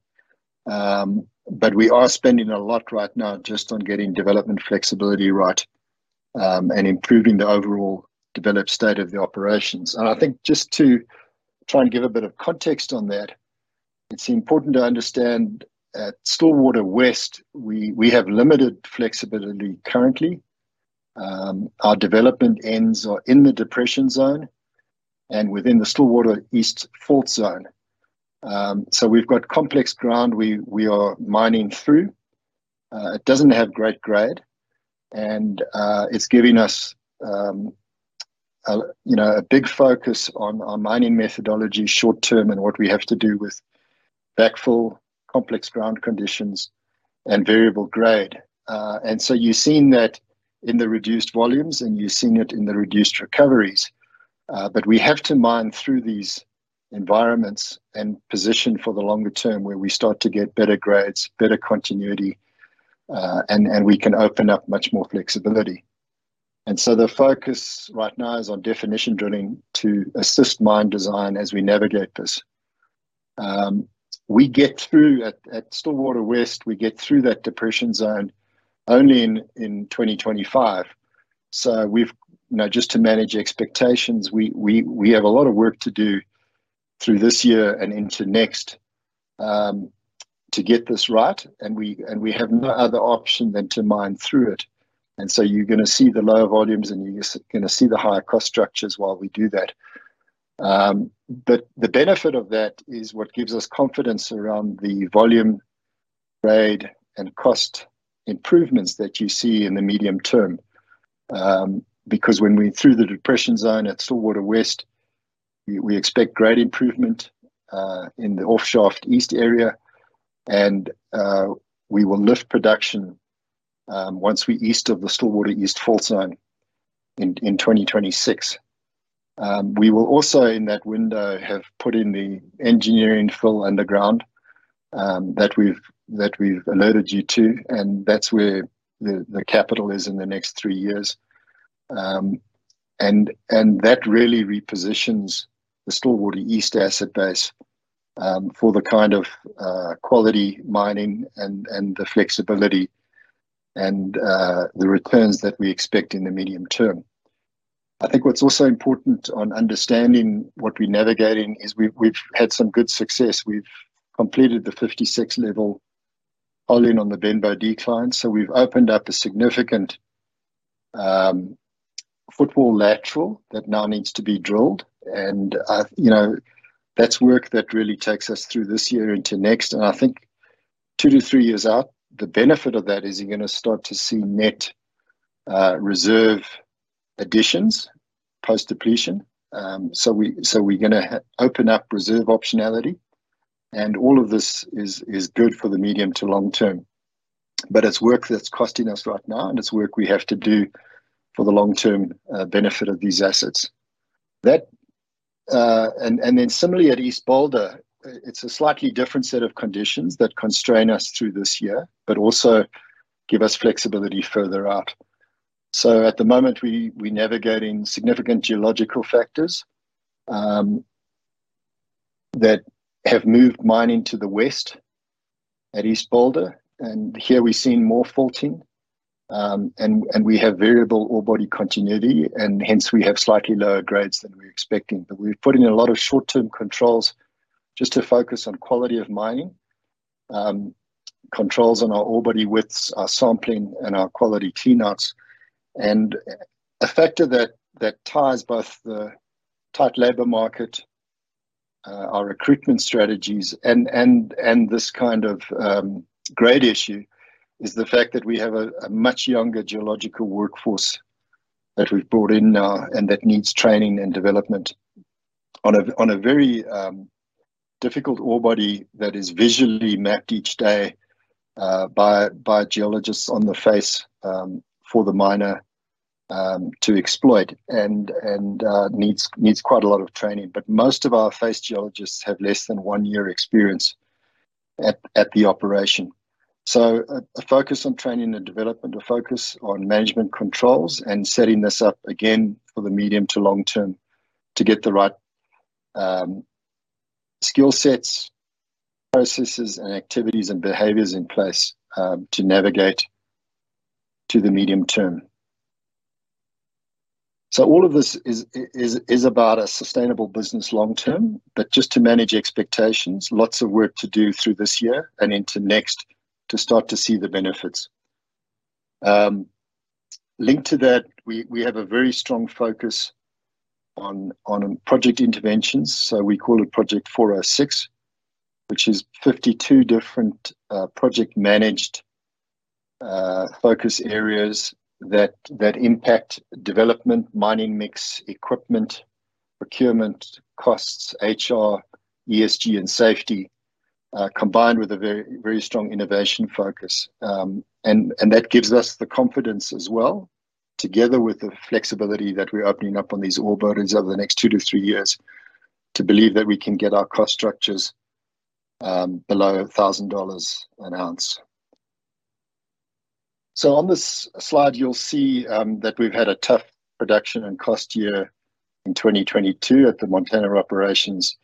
We are spending a lot right now just on getting development flexibility right and improving the overall developed state of the operations. I think just to try and give a bit of context on that, it's important to understand at Stillwater West, we have limited flexibility currently. Our development ends are in the depression zone and within the Stillwater East fault zone. We've got complex ground we are mining through. It doesn't have great grade, and it's giving us, you know, a big focus on our mining methodology short term and what we have to do with backfill, complex ground conditions and variable grade. You're seeing that in the reduced volumes, and you're seeing it in the reduced recoveries. We have to mine through these environments and position for the longer term where we start to get better grades, better continuity, and we can open up much more flexibility. The focus right now is on definition drilling to assist mine design as we navigate this. We get through at Stillwater West, we get through that depression zone only in 2025. We've, you know, just to manage expectations, we have a lot of work to do through this year and into next to get this right. We have no other option than to mine through it. You're going to see the lower volumes, and you're going to see the higher cost structures while we do that. The benefit of that is what gives us confidence around the volumeGrade and cost improvements that you see in the medium term, because when we're through the depression zone at Stillwater West, we expect great improvement in the off-shaft east area and we will lift production once we east of the Stillwater East Fault Zone in 2026. We will also, in that window, have put in the engineered fill underground that we've alerted you to, and that's where the capital is in the next 3 years. That really repositions the Stillwater East asset base for the kind of quality mining and the flexibility and the returns that we expect in the medium term. I think what's also important on understanding what we're navigating is we've had some good success. We've completed the 56 level hole in on the Benbow Decline. We've opened up a significant football lateral that now needs to be drilled. You know, that's work that really takes us through this year into next. I think 2-3 years out, the benefit of that is you're gonna start to see net reserve additions, post-depletion. We're gonna open up reserve optionality, and all of this is good for the medium to long term. It's work that's costing us right now, and it's work we have to do for the long-term benefit of these assets. That, and then similarly at East Boulder, it's a slightly different set of conditions that constrain us through this year, but also give us flexibility further out. At the moment we're navigating significant geological factors that have moved mining to the west at East Boulder, and here we're seeing more faulting, and we have variable ore body continuity, and hence we have slightly lower grades than we're expecting. We're putting a lot of short-term controls just to focus on quality of mining, controls on our ore body widths, our sampling, and our quality keynotes. A factor that ties both the tight labor market, our recruitment strategies and this kind of grade issue is the fact that we have a much younger geological workforce that we've brought in now and that needs training and development on a very difficult ore body that is visually mapped each day by geologists on the face for the miner to exploit and needs quite a lot of training. Most of our face geologists have less than 1 year experience at the operation. A focus on training and development, a focus on management controls and setting this up again for the medium to long term to get the right skill sets, processes and activities and behaviors in place to navigate to the medium term. All of this is about a sustainable business long term. Just to manage expectations, lots of work to do through this year and into next to start to see the benefits. Linked to that, we have a very strong focus on project interventions. We call it Project 406, which is 52 different project managed focus areas that impact development, mining mix, equipment, procurement, costs, HR, ESG and safety, combined with a very, very strong innovation focus. That gives us the confidence as well, together with the flexibility that we're opening up on these ore bodies over the next 2-3 years, to believe that we can get our cost structures below $1,000 an ounce. On this slide, you'll see that we've had a tough production and cost year in 2022 at the Montana operations.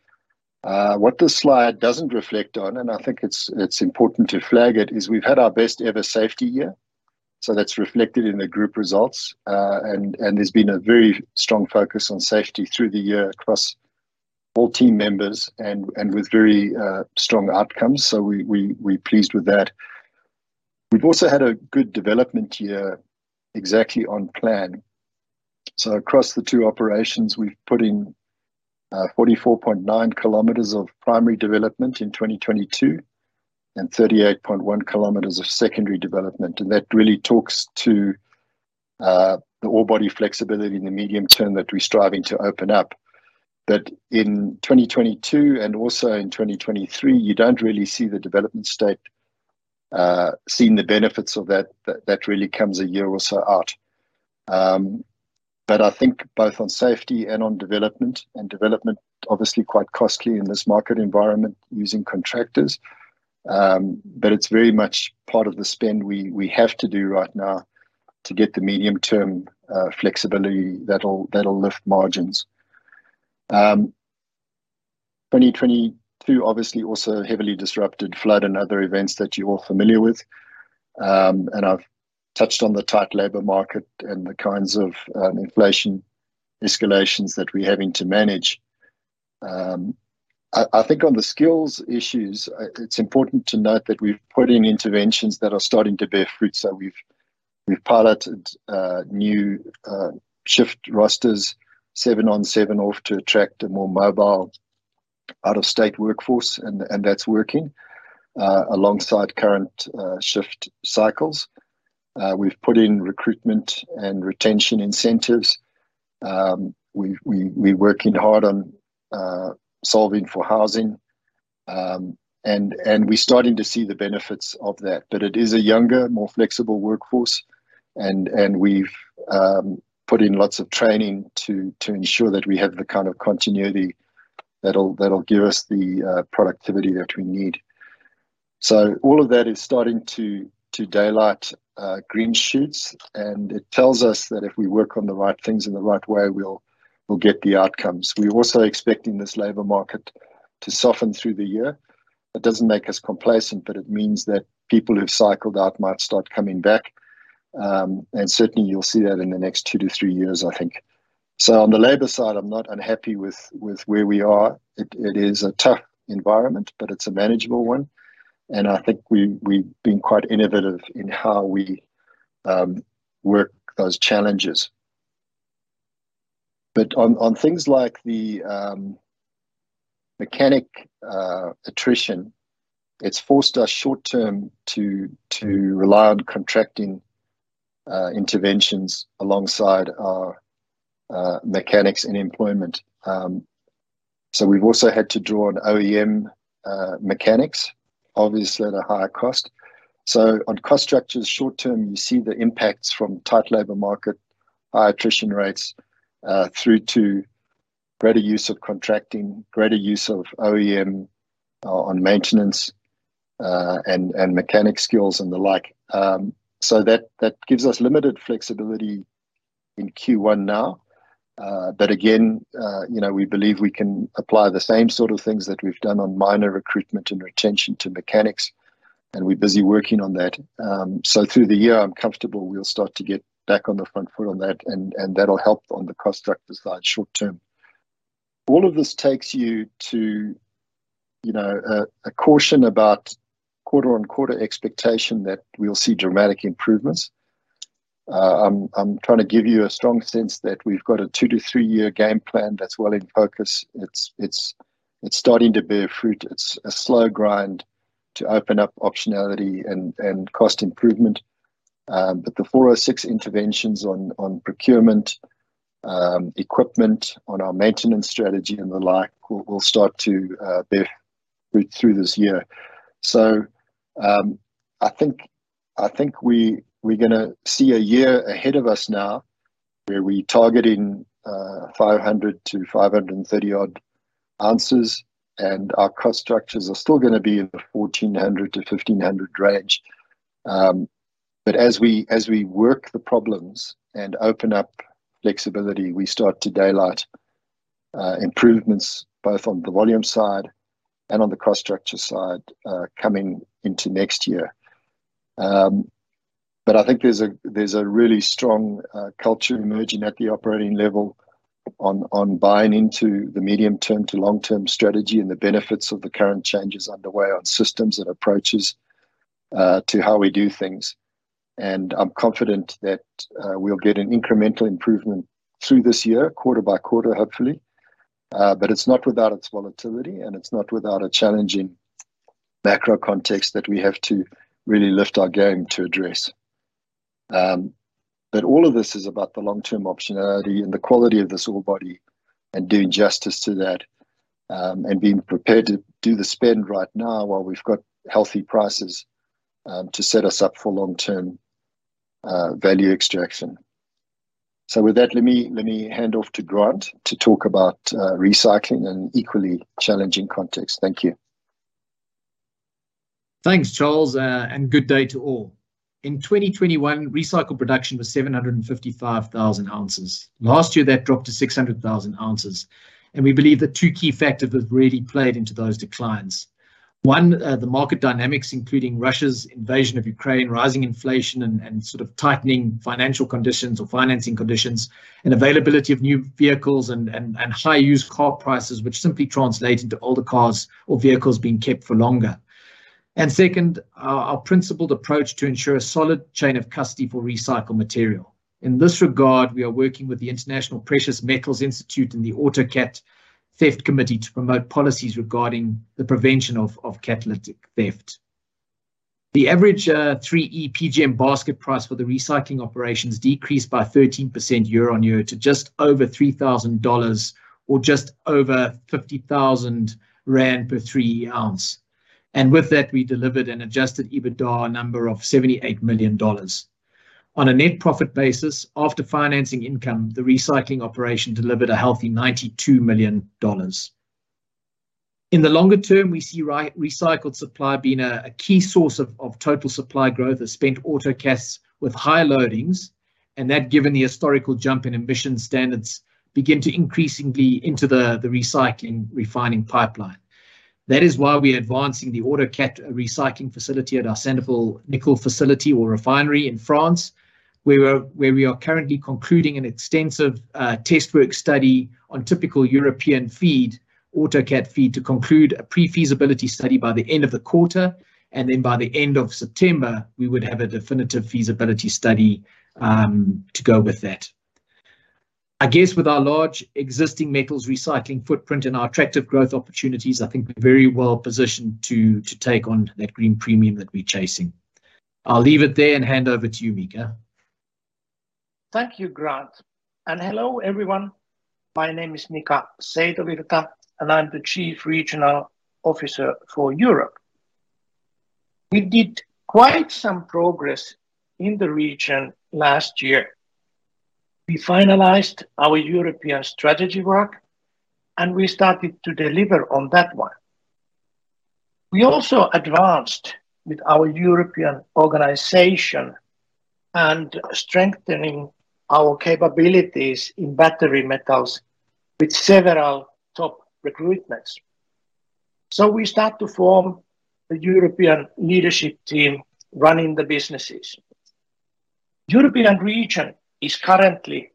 What this slide doesn't reflect on, and I think it's important to flag it, is we've had our best ever safety year. That's reflected in the group results. There's been a very strong focus on safety through the year across all team members and with very strong outcomes. We're pleased with that. We've also had a good development year exactly on plan. Across the two operations, we've put in 44.9 km of primary development in 2022 and 38.1 km of secondary development. That really talks to the ore body flexibility in the medium term that we're striving to open up. In 2022 and also in 2023, you don't really see the development state seeing the benefits of that really comes a year or so out. I think both on safety and on development, and development obviously quite costly in this market environment using contractors, but it's very much part of the spend we have to do right now to get the medium-term flexibility that'll lift margins. 2022 obviously also heavily disrupted flood and other events that you're all familiar with. I've touched on the tight labor market and the kinds of inflation escalations that we're having to manage. I think on the skills issues, it's important to note that we've put in interventions that are starting to bear fruit. We've piloted new shift rosters, 7 on, 7 off, to attract a more mobile out-of-state workforce, and that's working alongside current shift cycles. We've put in recruitment and retention incentives. We're working hard on solving for housing. And we're starting to see the benefits of that. It is a younger, more flexible workforce and we've put in lots of training to ensure that we have the kind of continuity that'll give us the productivity that we need. All of that is starting to daylight green shoots, and it tells us that if we work on the right things in the right way, we'll get the outcomes. We're also expecting this labor market to soften through the year. That doesn't make us complacent. It means that people who've cycled out might start coming back. Certainly you'll see that in the next two to three years, I think. On the labor side, I'm not unhappy with where we are. It is a tough environment, but it's a manageable one, and I think we've been quite innovative in how we work those challenges. On things like the mechanic attrition, it's forced us short term to rely on contracting interventions alongside our mechanics and employment. We've also had to draw on OEM mechanics, obviously at a higher cost. On cost structures short term, you see the impacts from tight labor market, high attrition rates, through to greater use of contracting, greater use of OEM on maintenance, and mechanic skills and the like. That gives us limited flexibility in Q1 now. Again, you know, we believe we can apply the same sort of things that we've done on miner recruitment and retention to mechanics, and we're busy working on that. Through the year, I'm comfortable we'll start to get back on the front foot on that and that'll help on the cost structures side short term. All of this takes you to, you know, a caution about quarter-on-quarter expectation that we'll see dramatic improvements. I'm trying to give you a strong sense that we've got a 2-3 year game plan that's well in focus. It's starting to bear fruit. It's a slow grind to open up optionality and cost improvement. But the 406 interventions on procurement, equipment, on our maintenance strategy and the like, will start to bear fruit through this year. I think we're gonna see a year ahead of us now where we're targeting 500-530 odd ounces, and our cost structures are still gonna be in the $1,400-$1,500 range. But as we work the problems and open up flexibility, we start to daylight improvements both on the volume side and on the cost structure side coming into next year. I think there's a really strong culture emerging at the operating level on buying into the medium-term to long-term strategy and the benefits of the current changes underway on systems and approaches to how we do things. I'm confident that we'll get an incremental improvement through this year, quarter by quarter, hopefully. It's not without its volatility, and it's not without a challenging macro context that we have to really lift our game to address. All of this is about the long-term optionality and the quality of this ore body and doing justice to that, and being prepared to do the spend right now while we've got healthy prices to set us up for long-term value extraction. With that, let me hand off to Grant to talk about recycling and equally challenging context. Thank you. Thanks, Charles. Good day to all. In 2021, recycled production was 755,000 ounces. Last year, that dropped to 600,000 ounces. We believe that two key factors have really played into those declines. One, the market dynamics, including Russia's invasion of Ukraine, rising inflation and sort of tightening financial conditions or financing conditions and availability of new vehicles and high used car prices, which simply translated to older cars or vehicles being kept for longer. Second, our principled approach to ensure a solid chain of custody for recycled material. In this regard, we are working with the International Precious Metals Institute and the AutoCat Theft Committee to promote policies regarding the prevention of catalytic theft. The average 3E PGM basket price for the recycling operations decreased by 13% year-on-year to just over $3,000 or just over 50,000 rand per 3E ounce. With that, we delivered an Adjusted EBITDA number of $78 million. On a net profit basis, after financing income, the recycling operation delivered a healthy $92 million. In the longer term, we see re-recycled supply being a key source of total supply growth as spent auto cats with high loadings, and that given the historical jump in emission standards, begin to increasingly enter the recycling refining pipeline. That is why we're advancing the autocat recycling facility at our Sandouville facility or refinery in France, where we are currently concluding an extensive test work study on typical European feed, autocat feed, to conclude a pre-feasibility study by the end of the quarter. By the end of September, we would have a definitive feasibility study to go with that. I guess with our large existing metals recycling footprint and our attractive growth opportunities, I think we're very well positioned to take on that green premium that we're chasing. I'll leave it there and hand over to you, Mika. Thank you, Grant. Hello, everyone. My name is Mika Seitovirta, I'm the Chief Regional Officer for Europe. We did quite some progress in the region last year. We finalized our European strategy work, we started to deliver on that one. We also advanced with our European organization and strengthening our capabilities in battery metals with several top recruitments. We start to form the European leadership team running the businesses. European region is currently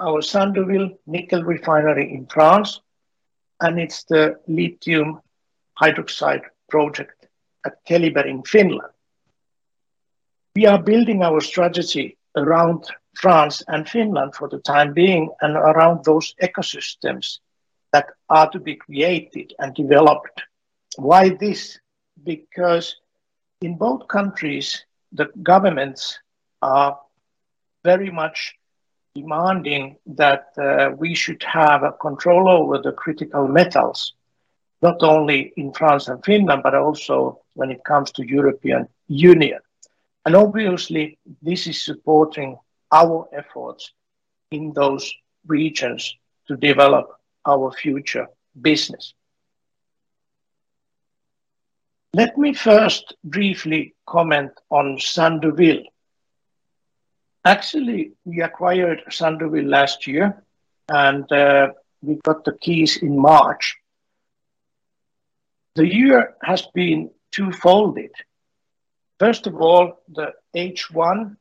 our Sandouville nickel refinery in France, it's the lithium hydroxide project at Keliber in Finland. We are building our strategy around France and Finland for the time being, around those ecosystems that are to be created and developed. Why this? In both countries, the governments are very much demanding that we should have a control over the critical metals, not only in France and Finland, but also when it comes to European Union. Obviously, this is supporting our efforts in those regions to develop our future business. Let me first briefly comment on Sandouville. Actually, we acquired Sandouville last year, and we got the keys in March. The year has been twofolded. First of all, the H1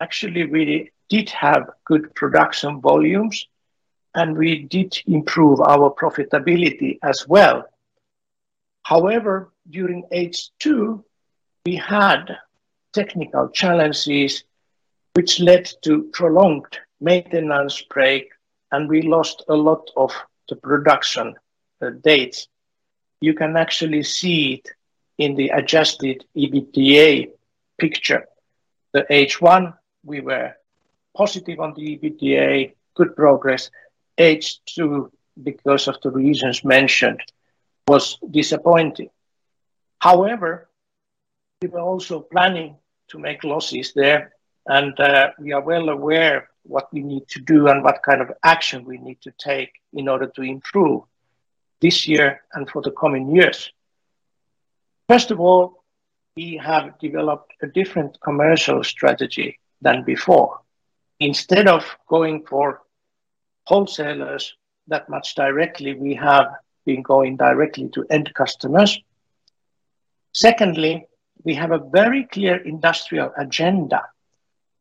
actually we did have good production volumes, and we did improve our profitability as well. However, during H2, we had technical challenges which led to prolonged maintenance break, and we lost a lot of the production dates. You can actually see it in the Adjusted EBITDA picture. The H1 we were positive on the EBITDA, good progress. H2 because of the reasons mentioned was disappointing. However, we were also planning to make losses there and we are well aware what we need to do and what kind of action we need to take in order to improve this year and for the coming years. First of all, we have developed a different commercial strategy than before. Instead of going for wholesalers that much directly, we have been going directly to end customers. Secondly, we have a very clear industrial agenda,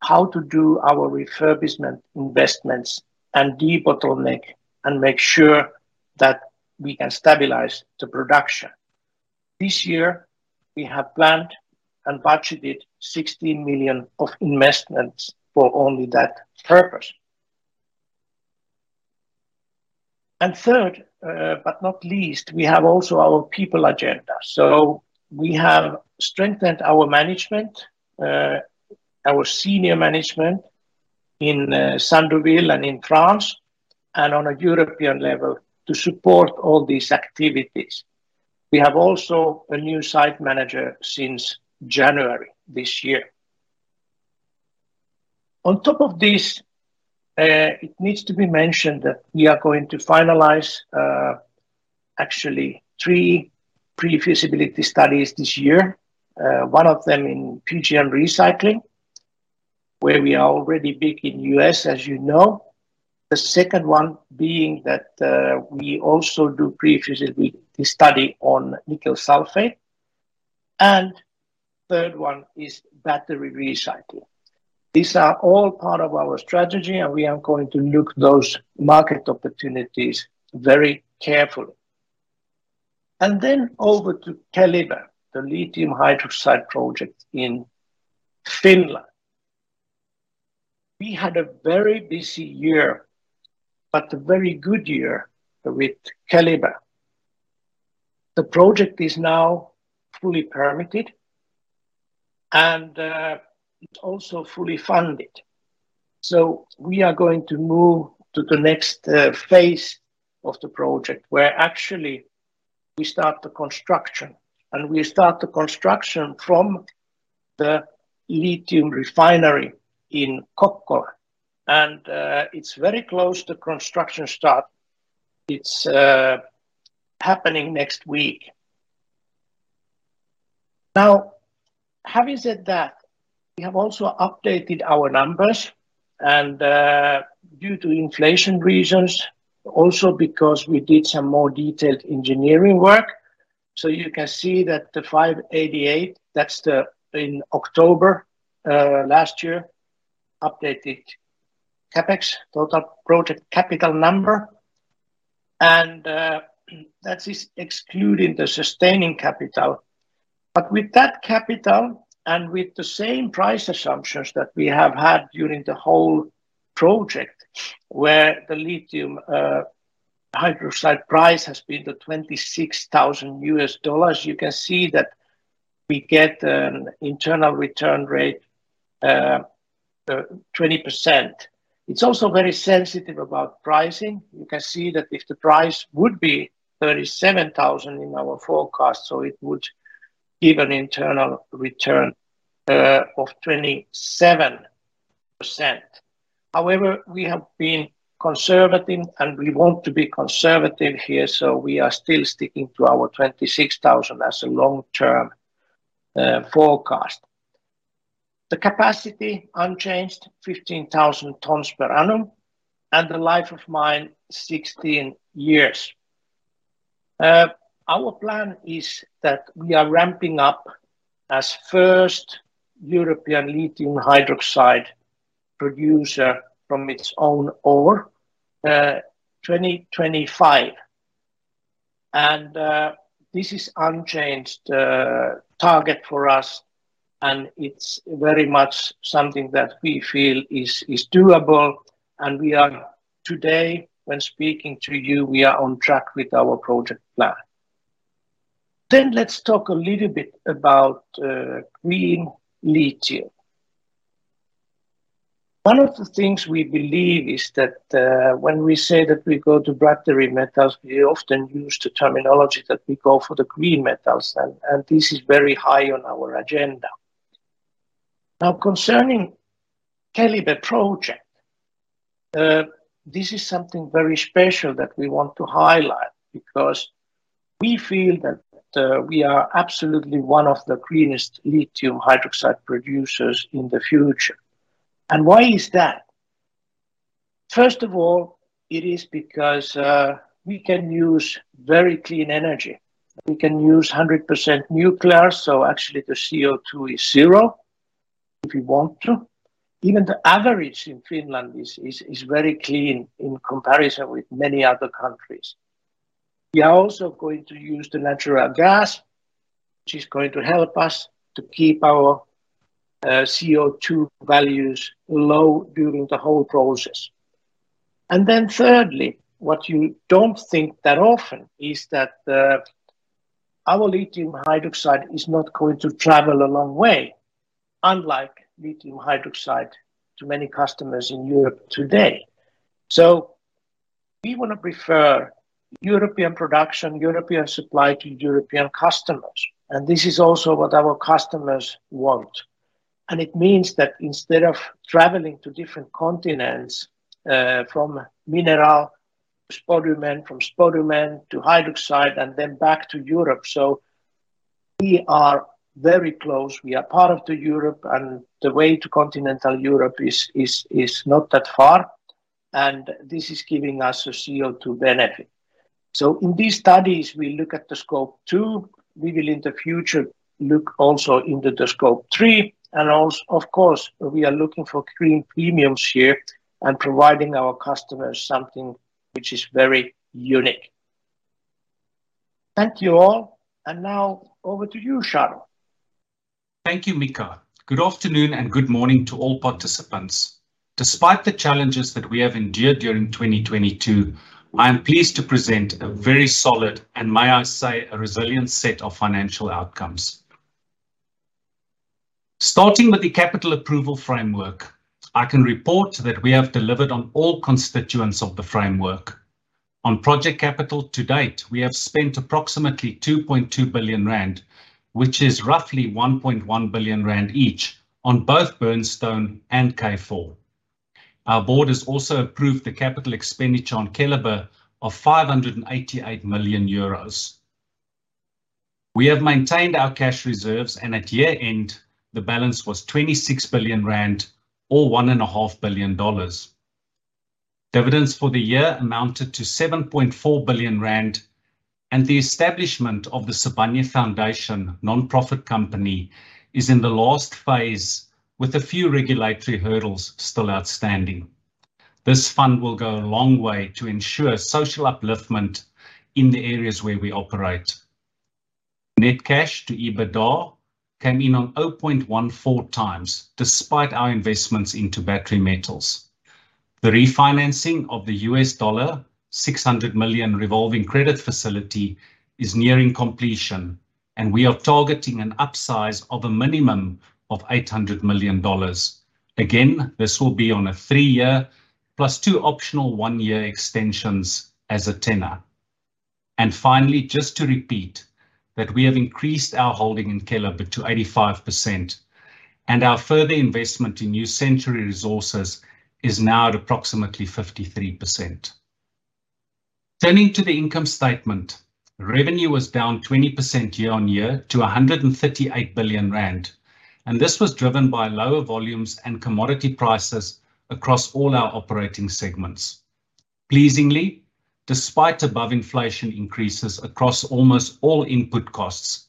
how to do our refurbishment investments and debottleneck and make sure that we can stabilize the production. This year we have planned and budgeted 16 million of investments for only that purpose. Third, but not least, we have also our people agenda. We have strengthened our management, our senior management in Sandouville and in France and on a European level to support all these activities. We have also a new site manager since January this year. On top of this, it needs to be mentioned that we are going to finalize actually 3 pre-feasibility studies this year. One of them in PGM recycling, where we are already big in U.S. as you know. The second one being that we also do pre-feasibility study on nickel sulfate. Third one is battery recycling. These are all part of our strategy, and we are going to look those market opportunities very carefully. Over to Keliber, the lithium hydroxide project in Finland. We had a very busy year, but a very good year with Keliber. The project is now fully permitted and it's also fully funded. We are going to move to the next phase of the project where actually we start the construction, and we start the construction from the lithium refinery in Kokkola. It's very close to construction start. It's happening next week. Now, having said that, we have also updated our numbers. Due to inflation reasons, also because we did some more detailed engineering work. You can see that the 588 million, that's the, in October last year, updated CapEx, total project capital number. That is excluding the sustaining capital. With that capital and with the same price assumptions that we have had during the whole project, where the lithium hydroxide price has been $26,000, you can see that we get an internal return rate, 20%. It's also very sensitive about pricing. You can see that if the price would be $37,000 in our forecast, it would give an internal return of 27%. We have been conservative, and we want to be conservative here. We are still sticking to our $26,000 as a long-term forecast. The capacity unchanged, 15,000 tons per annum, and the life of mine 16 years. Our plan is that we are ramping up as first European lithium hydroxide producer from its own ore, 2025. This is unchanged target for us, and it's very much something that we feel is doable, and we are today when speaking to you, we are on track with our project plan. Let's talk a little bit about green lithium. One of the things we believe is that when we say that we go to battery metals, we often use the terminology that we go for the green metals, and this is very high on our agenda. Concerning Keliber project, this is something very special that we want to highlight because we feel that we are absolutely one of the greenest lithium hydroxide producers in the future. Why is that? First of all, it is because we can use very clean energy. We can use 100% nuclear, so actually the CO2 is zero if we want to. Even the average in Finland is very clean in comparison with many other countries. We are also going to use the natural gas, which is going to help us to keep our CO2 values low during the whole process. Thirdly, what you don't think that often is that our lithium hydroxide is not going to travel a long way, unlike lithium hydroxide to many customers in Europe today. We wanna prefer European production, European supply to European customers, and this is also what our customers want. It means that instead of traveling to different continents, from mineral spodumene, from spodumene to hydroxide, and then back to Europe, so we are very close. We are part of the Europe, and the way to continental Europe is not that far, and this is giving us a CO2 benefit. In these studies, we look at the Scope 2. We will in the future look also into the Scope 3. Of course, we are looking for green premiums here and providing our customers something which is very unique. Thank you all. Now over to you, Charles. Thank you, Mika. Good afternoon and good morning to all participants. Despite the challenges that we have endured during 2022, I am pleased to present a very solid, and may I say, a resilient set of financial outcomes. Starting with the capital approval framework, I can report that we have delivered on all constituents of the framework. On project capital to date, we have spent approximately 2.2 billion rand, which is roughly 1.1 billion rand each on both Burnstone and K4. Our board has also approved the capital expenditure on Keliber of 588 million euros. We have maintained our cash reserves, and at year-end, the balance was 26 billion rand or $1.5 billion dollars. Dividends for the year amounted to 7.4 billion rand. The establishment of the Sibanye-Stillwater Foundation nonprofit company is in the last phase with a few regulatory hurdles still outstanding. This fund will go a long way to ensure social upliftment in the areas where we operate. Net cash to EBITDA came in on 0.14x despite our investments into battery metals. The refinancing of the $600 million revolving credit facility is nearing completion, and we are targeting an upsize of a minimum of $800 million. Again, this will be on a 3-year plus 2 optional 1-year extensions as a tenor. Finally, just to repeat that we have increased our holding in Keliber to 85%, and our further investment in New Century Resources is now at approximately 53%. Turning to the income statement, revenue was down 20% year-on-year to 138 billion rand. This was driven by lower volumes and commodity prices across all our operating segments. Pleasingly, despite above inflation increases across almost all input costs,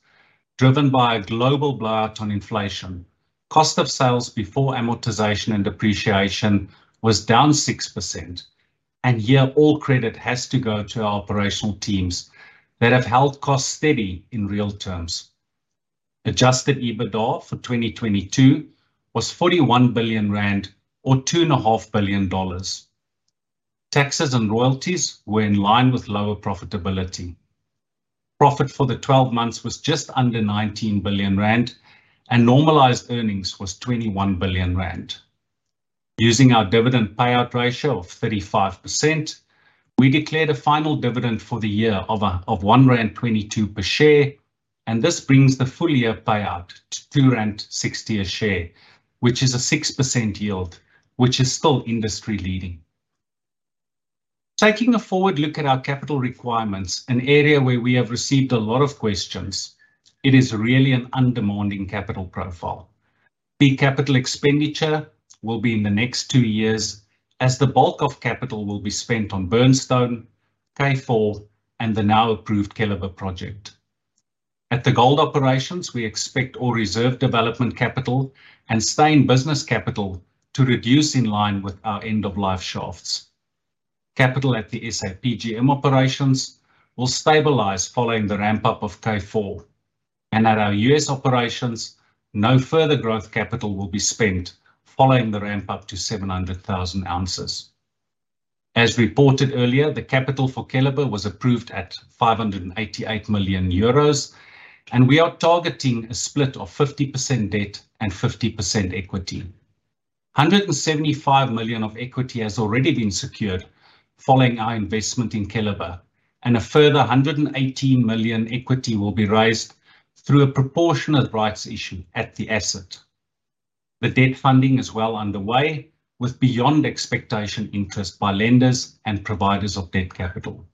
driven by a global blowout on inflation. Cost of sales before amortization and depreciation was down 6%. Here all credit has to go to our operational teams that have held costs steady in real terms. Adjusted EBITDA for 2022 was 41 billion rand, or $2.5 billion. Taxes and royalties were in line with lower profitability. Profit for the 12 months was just under 19 billion rand. Normalized earnings was 21 billion rand. Using our dividend payout ratio of 35%, we declared a final dividend for the year of 1.22 rand per share. This brings the full year payout to 2.60 rand a share, which is a 6% yield, which is still industry-leading. Taking a forward look at our capital requirements, an area where we have received a lot of questions, it is really an undemanding capital profile. Peak capital expenditure will be in the next two years, as the bulk of capital will be spent on Burnstone, K4, and the now approved Keliber project. At the gold operations, we expect all reserve development capital and stay in business capital to reduce in line with our end of life shafts. Capital at the SAPGM operations will stabilize following the ramp-up of K4. At our US operations, no further growth capital will be spent following the ramp-up to 700,000 ounces. As reported earlier, the capital for Keliber was approved at 588 million euros, and we are targeting a split of 50% debt and 50% equity. 175 million of equity has already been secured following our investment in Keliber, and a further 118 million equity will be raised through a proportionate rights issue at the asset. The debt funding is well underway with beyond expectation interest by lenders and providers of debt capital.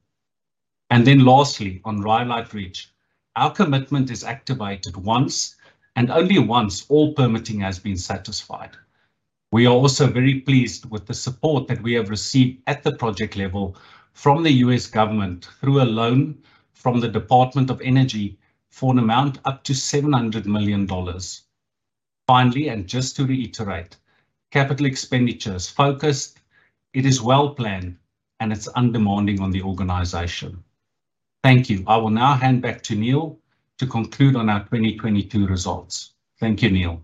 Lastly, on Rhyolite Ridge, our commitment is activated once and only once all permitting has been satisfied. We are also very pleased with the support that we have received at the project level from the U.S. government through a loan from the Department of Energy for an amount up to $700 million. Finally, and just to reiterate, capital expenditure is focused, it is well planned, and it's undemanding on the organization. Thank you. I will now hand back to Neal to conclude on our 2022 results. Thank you, Neal.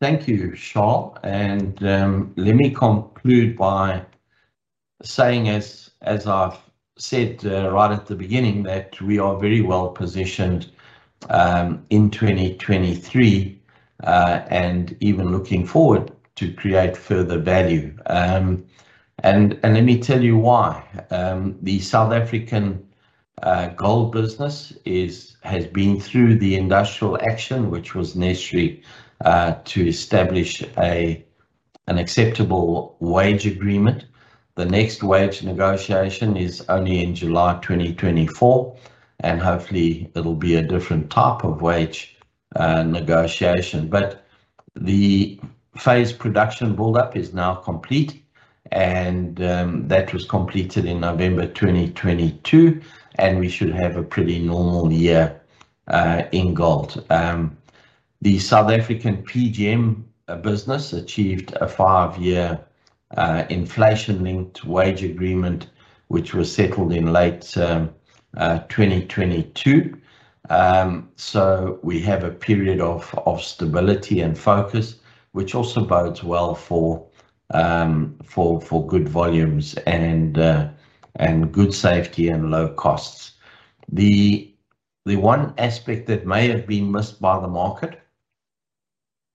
Thank you, Charles. Let me conclude by saying as I've said, right at the beginning, that we are very well-positioned in 2023, and even looking forward to create further value. And let me tell you why. The South African gold business has been through the industrial action, which was necessary to establish an acceptable wage agreement. The next wage negotiation is only in July 2024, and hopefully it'll be a different type of wage negotiation. The phase production build-up is now complete, and that was completed in November 2022, and we should have a pretty normal year in gold. The South African PGM business achieved a 5-year inflation-linked wage agreement, which was settled in late 2022. We have a period of stability and focus, which also bodes well for good volumes and good safety and low costs. The one aspect that may have been missed by the market,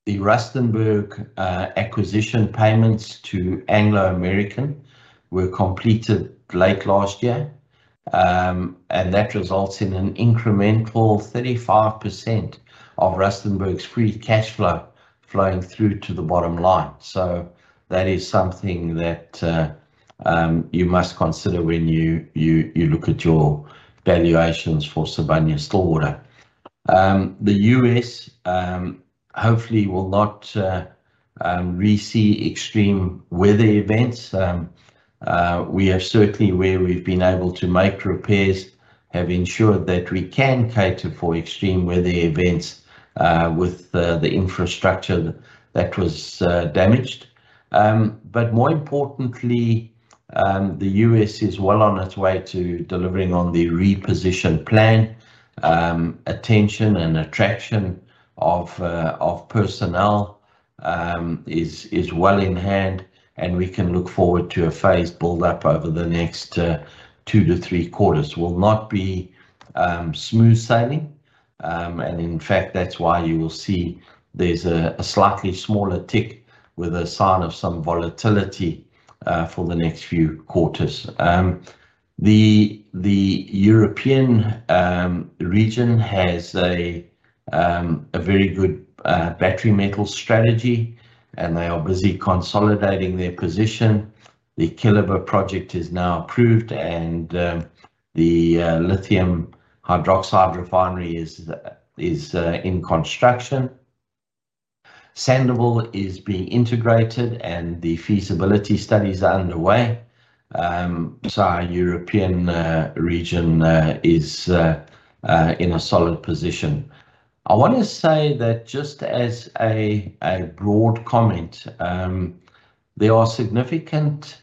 the Rustenburg acquisition payments to Anglo American were completed late last year. That results in an incremental 35% of Rustenburg's free cash flow flowing through to the bottom line. That is something that you must consider when you look at your valuations for Sibanye-Stillwater. The U.S. hopefully will not receive extreme weather events. We have certainly where we've been able to make repairs, have ensured that we can cater for extreme weather events with the infrastructure that was damaged. More importantly, the U.S. is well on its way to delivering on the reposition plan. Attention and attraction of personnel is well in hand, and we can look forward to a phased build-up over the next 2 to 3 quarters. Will not be smooth sailing. In fact, that's why you will see there's a slightly smaller tick with a sign of some volatility for the next few quarters. The European region has a very good battery metal strategy, they are busy consolidating their position. The Keliber project is now approved, the lithium hydroxide refinery is in construction. Sandouville is being integrated, the feasibility studies are underway. Our European region is in a solid position. I wanna say that just as a broad comment, there are significant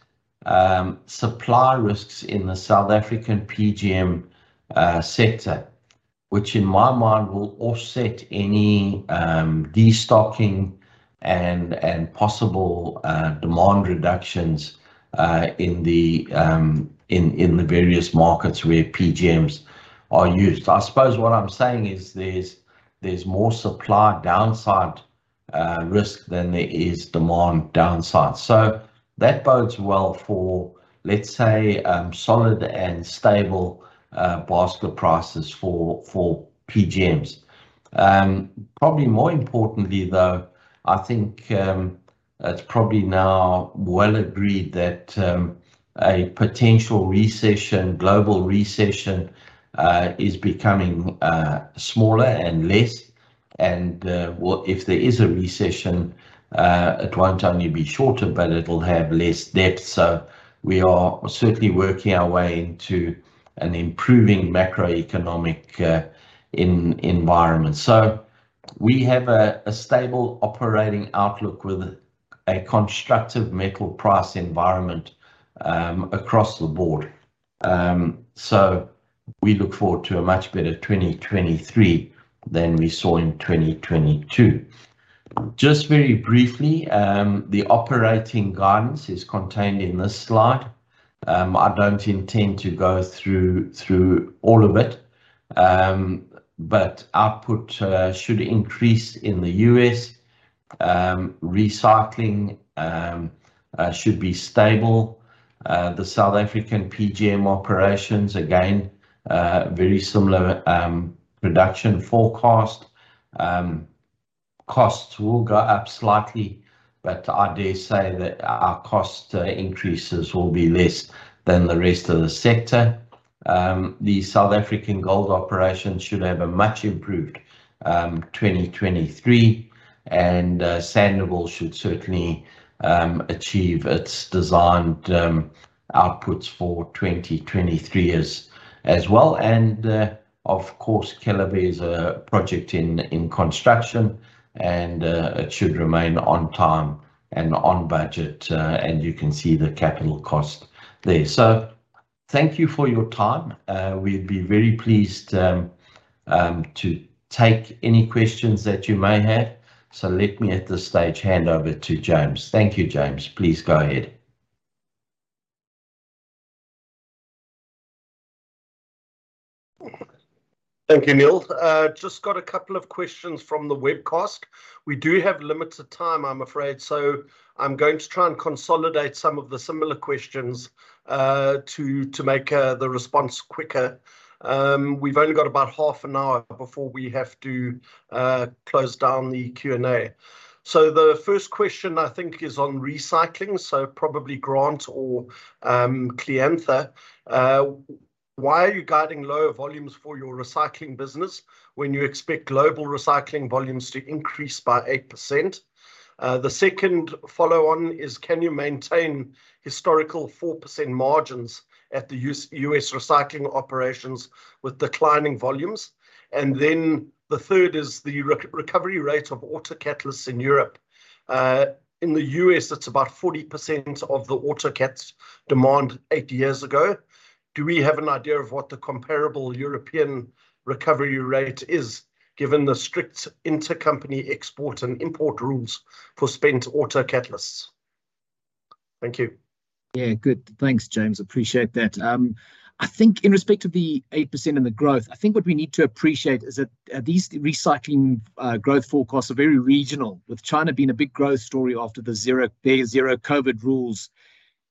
supply risks in the South African PGM sector, which, in my mind, will offset any destocking and possible demand reductions in the various markets where PGMs are used. I suppose what I'm saying is there's more supply downside risk than there is demand downside. That bodes well for, let's say, solid and stable basket prices for PGMs. Probably more importantly, though, I think, it's probably now well agreed that a potential recession, global recession, is becoming smaller and less and, well, if there is a recession, it won't only be shorter, but it'll have less depth. We are certainly working our way into an improving macroeconomic environment. We have a stable operating outlook with a constructive metal price environment across the board. We look forward to a much better 2023 than we saw in 2022. Just very briefly, the operating guidance is contained in this slide. I don't intend to go through all of it. Output should increase in the US. Recycling should be stable. The South African PGM operations, again, very similar production forecast. Costs will go up slightly, but I dare say that our cost increases will be less than the rest of the sector. The South African gold operations should have a much improved 2023, and Sandouville should certainly achieve its designed outputs for 2023 as well. Of course, Keliber is a project in construction, and it should remain on time and on budget. You can see the capital cost there. Thank you for your time. We'd be very pleased to take any questions that you may have. Let me, at this stage, hand over to James. Thank you, James. Please go ahead. Thank you, Neal. Just got a couple of questions from the webcast. We do have limited time, I'm afraid. I'm going to try and consolidate some of the similar questions to make the response quicker. We've only got about half an hour before we have to close down the Q&A. The first question I think is on recycling, so probably Grant or Kleantha. Why are you guiding lower volumes for your recycling business when you expect global recycling volumes to increase by 8%? The second follow-on is can you maintain historical 4% margins at the US recycling operations with declining volumes? The third is the recovery rate of auto catalysts in Europe. In the US, it's about 40% of the auto cats demand 8 years ago. Do we have an idea of what the comparable European recovery rate is, given the strict intercompany export and import rules for spent auto catalysts? Thank you. Yeah, good. Thanks, James. Appreciate that. I think in respect to the 8% and the growth, I think what we need to appreciate is that these recycling growth forecasts are very regional, with China being a big growth story after their zero COVID rules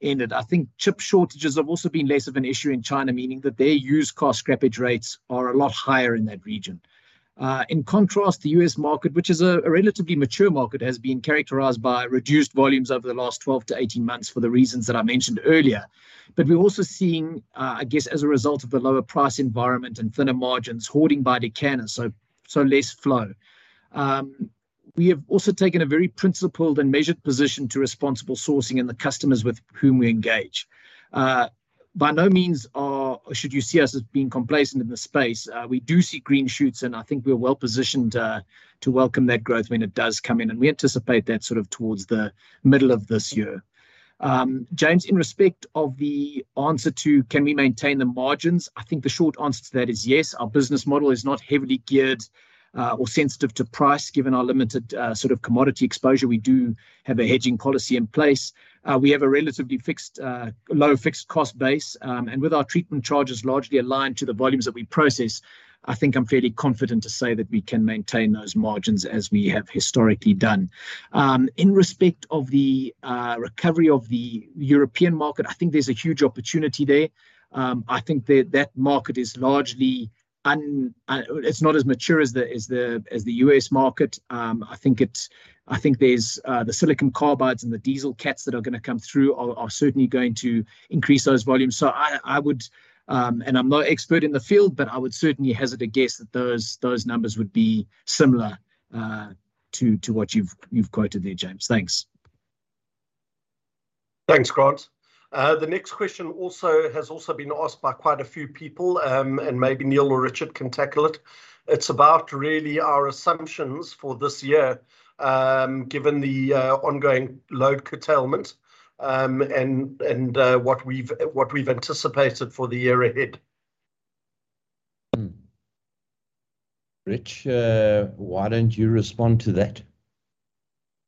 ended. I think chip shortages have also been less of an issue in China, meaning that their used car scrappage rates are a lot higher in that region. In contrast, the U.S. market, which is a relatively mature market, has been characterized by reduced volumes over the last 12-18 months for the reasons that I mentioned earlier. We're also seeing, I guess, as a result of the lower price environment and thinner margins, hoarding by de-canners, so less flow. We have also taken a very principled and measured position to responsible sourcing and the customers with whom we engage. By no means should you see us as being complacent in this space. We do see green shoots, and I think we're well positioned to welcome that growth when it does come in, and we anticipate that sort of towards the middle of this year. James, in respect of the answer to can we maintain the margins, I think the short answer to that is yes. Our business model is not heavily geared or sensitive to price, given our limited sort of commodity exposure. We do have a hedging policy in place. We have a relatively fixed, low fixed cost base. With our treatment charges largely aligned to the volumes that we process, I think I'm fairly confident to say that we can maintain those margins as we have historically done. In respect of the recovery of the European market, I think there's a huge opportunity there. I think that market is largely, it's not as mature as the US market. I think there's the silicon carbides and the diesel cats that are going to come through are certainly going to increase those volumes. I would, and I'm no expert in the field, but I would certainly hazard a guess that those numbers would be similar. To what you've quoted there, James. Thanks Thanks, Grant. The next question has also been asked by quite a few people. Maybe Neal or Richard can tackle it. It's about really our assumptions for this year, given the ongoing load curtailment, and what we've anticipated for the year ahead. Rich, why don't you respond to that?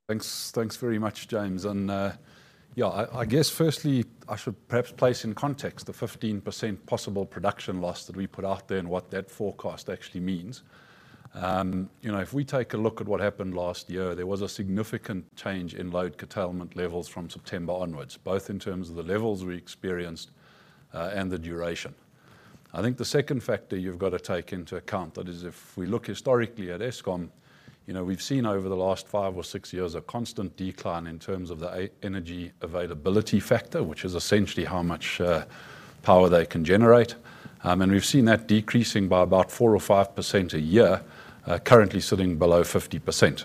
Thanks, thanks very much, James. Yeah, I guess firstly I should perhaps place in context the 15% possible production loss that we put out there and what that forecast actually means. You know, if we take a look at what happened last year, there was a significant change in load curtailment levels from September onwards, both in terms of the levels we experienced and the duration. I think the second factor you've gotta take into account, that is if we look historically at Eskom, you know, we've seen over the last 5 or 6 years a constant decline in terms of the Energy Availability Factor, which is essentially how much power they can generate. We've seen that decreasing by about 4 or 5% a year, currently sitting below 50%.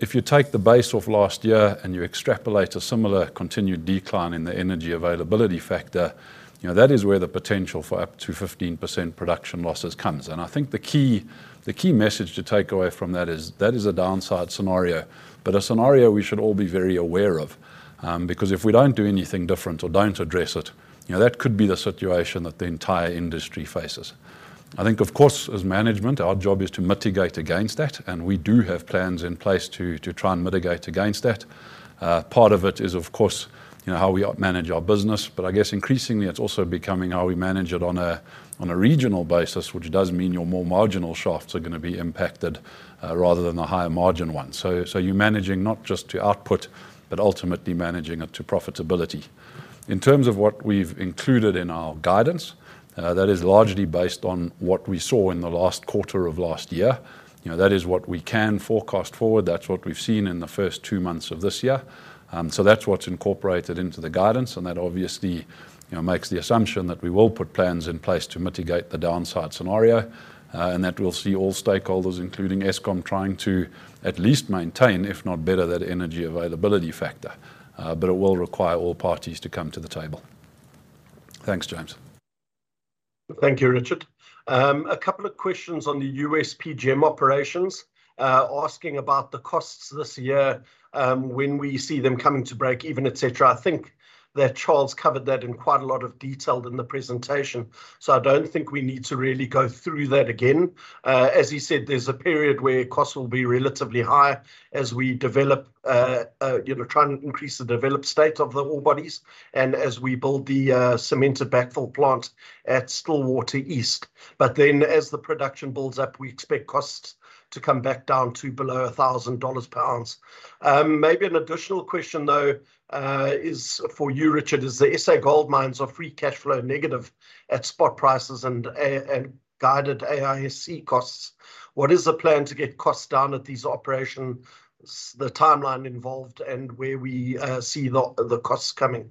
If you take the base of last year and you extrapolate a similar continued decline in the Energy Availability Factor, you know, that is where the potential for up to 15% production losses comes. I think the key message to take away from that is, that is a downside scenario but a scenario we should all be very aware of. Because if we don't do anything different or don't address it, you know, that could be the situation that the entire industry faces. I think, of course, as management our job is to mitigate against that, and we do have plans in place to try and mitigate against that. Part of it is, of course, you know, how we manage our business. I guess increasingly it's also becoming how we manage it on a regional basis, which does mean your more marginal shafts are gonna be impacted, rather than the higher margin ones. You're managing not just to output, but ultimately managing it to profitability. In terms of what we've included in our guidance, that is largely based on what we saw in the last quarter of last year. You know, that is what we can forecast forward. That's what we've seen in the first 2 months of this year. That's what's incorporated into the guidance and that obviously, you know, makes the assumption that we will put plans in place to mitigate the downside scenario. That we'll see all stakeholders, including Eskom, trying to at least maintain, if not better, that Energy Availability Factor. It will require all parties to come to the table. Thanks, James. Thank you, Richard. A couple of questions on the USPGM operations, asking about the costs this year, when we see them coming to break-even, et cetera. I think that Charles covered that in quite a lot of detail in the presentation. I don't think we need to really go through that again. As he said, there's a period where costs will be relatively high as we develop, you know, try and increase the developed state of the ore bodies and as we build the cemented backfill plant at Stillwater East. As the production builds up, we expect costs to come back down to below $1,000 pounds. Maybe an additional question though, is for you, Richard. Is the SA gold mines a free cash flow negative at spot prices and guided AISC costs? What is the plan to get costs down at these operations, the timeline involved, and where we see the costs coming?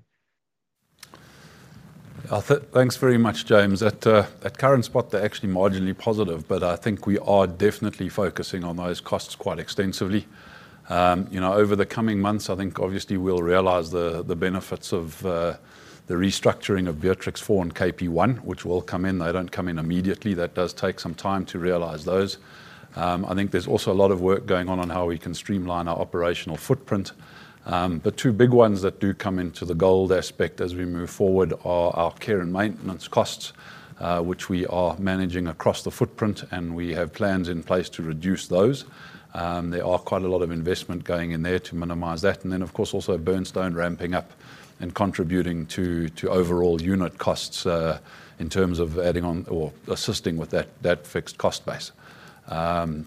Thanks very much, James. At current spot they're actually marginally positive. I think we are definitely focusing on those costs quite extensively. you know, over the coming months I think obviously we'll realize the benefits of the restructuring of Beatrix 4 and KP1, which will come in. They don't come in immediately. That does take some time to realize those. I think there's also a lot of work going on on how we can streamline our operational footprint. The two big ones that do come into the gold aspect as we move forward are our care and maintenance costs, which we are managing across the footprint. We have plans in place to reduce those. There are quite a lot of investment going in there to minimize that. Of course also Burnstone ramping up and contributing to overall unit costs in terms of adding on or assisting with that fixed cost base.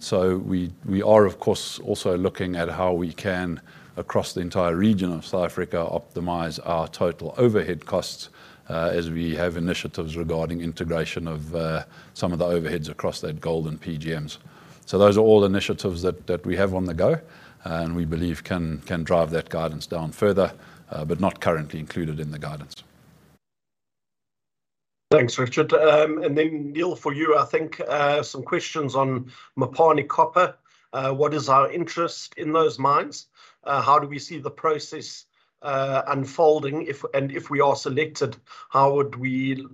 So we are of course also looking at how we can, across the entire region of South Africa, optimize our total overhead costs as we have initiatives regarding integration of some of the overheads across that gold and PGMs. Those are all initiatives that we have on the go and we believe can drive that guidance down further, but not currently included in the guidance. Thanks, Richard. Neal, for you I think, some questions on Mopani Copper. What is our interest in those mines? How do we see the process, unfolding if... and if we are selected, how would we,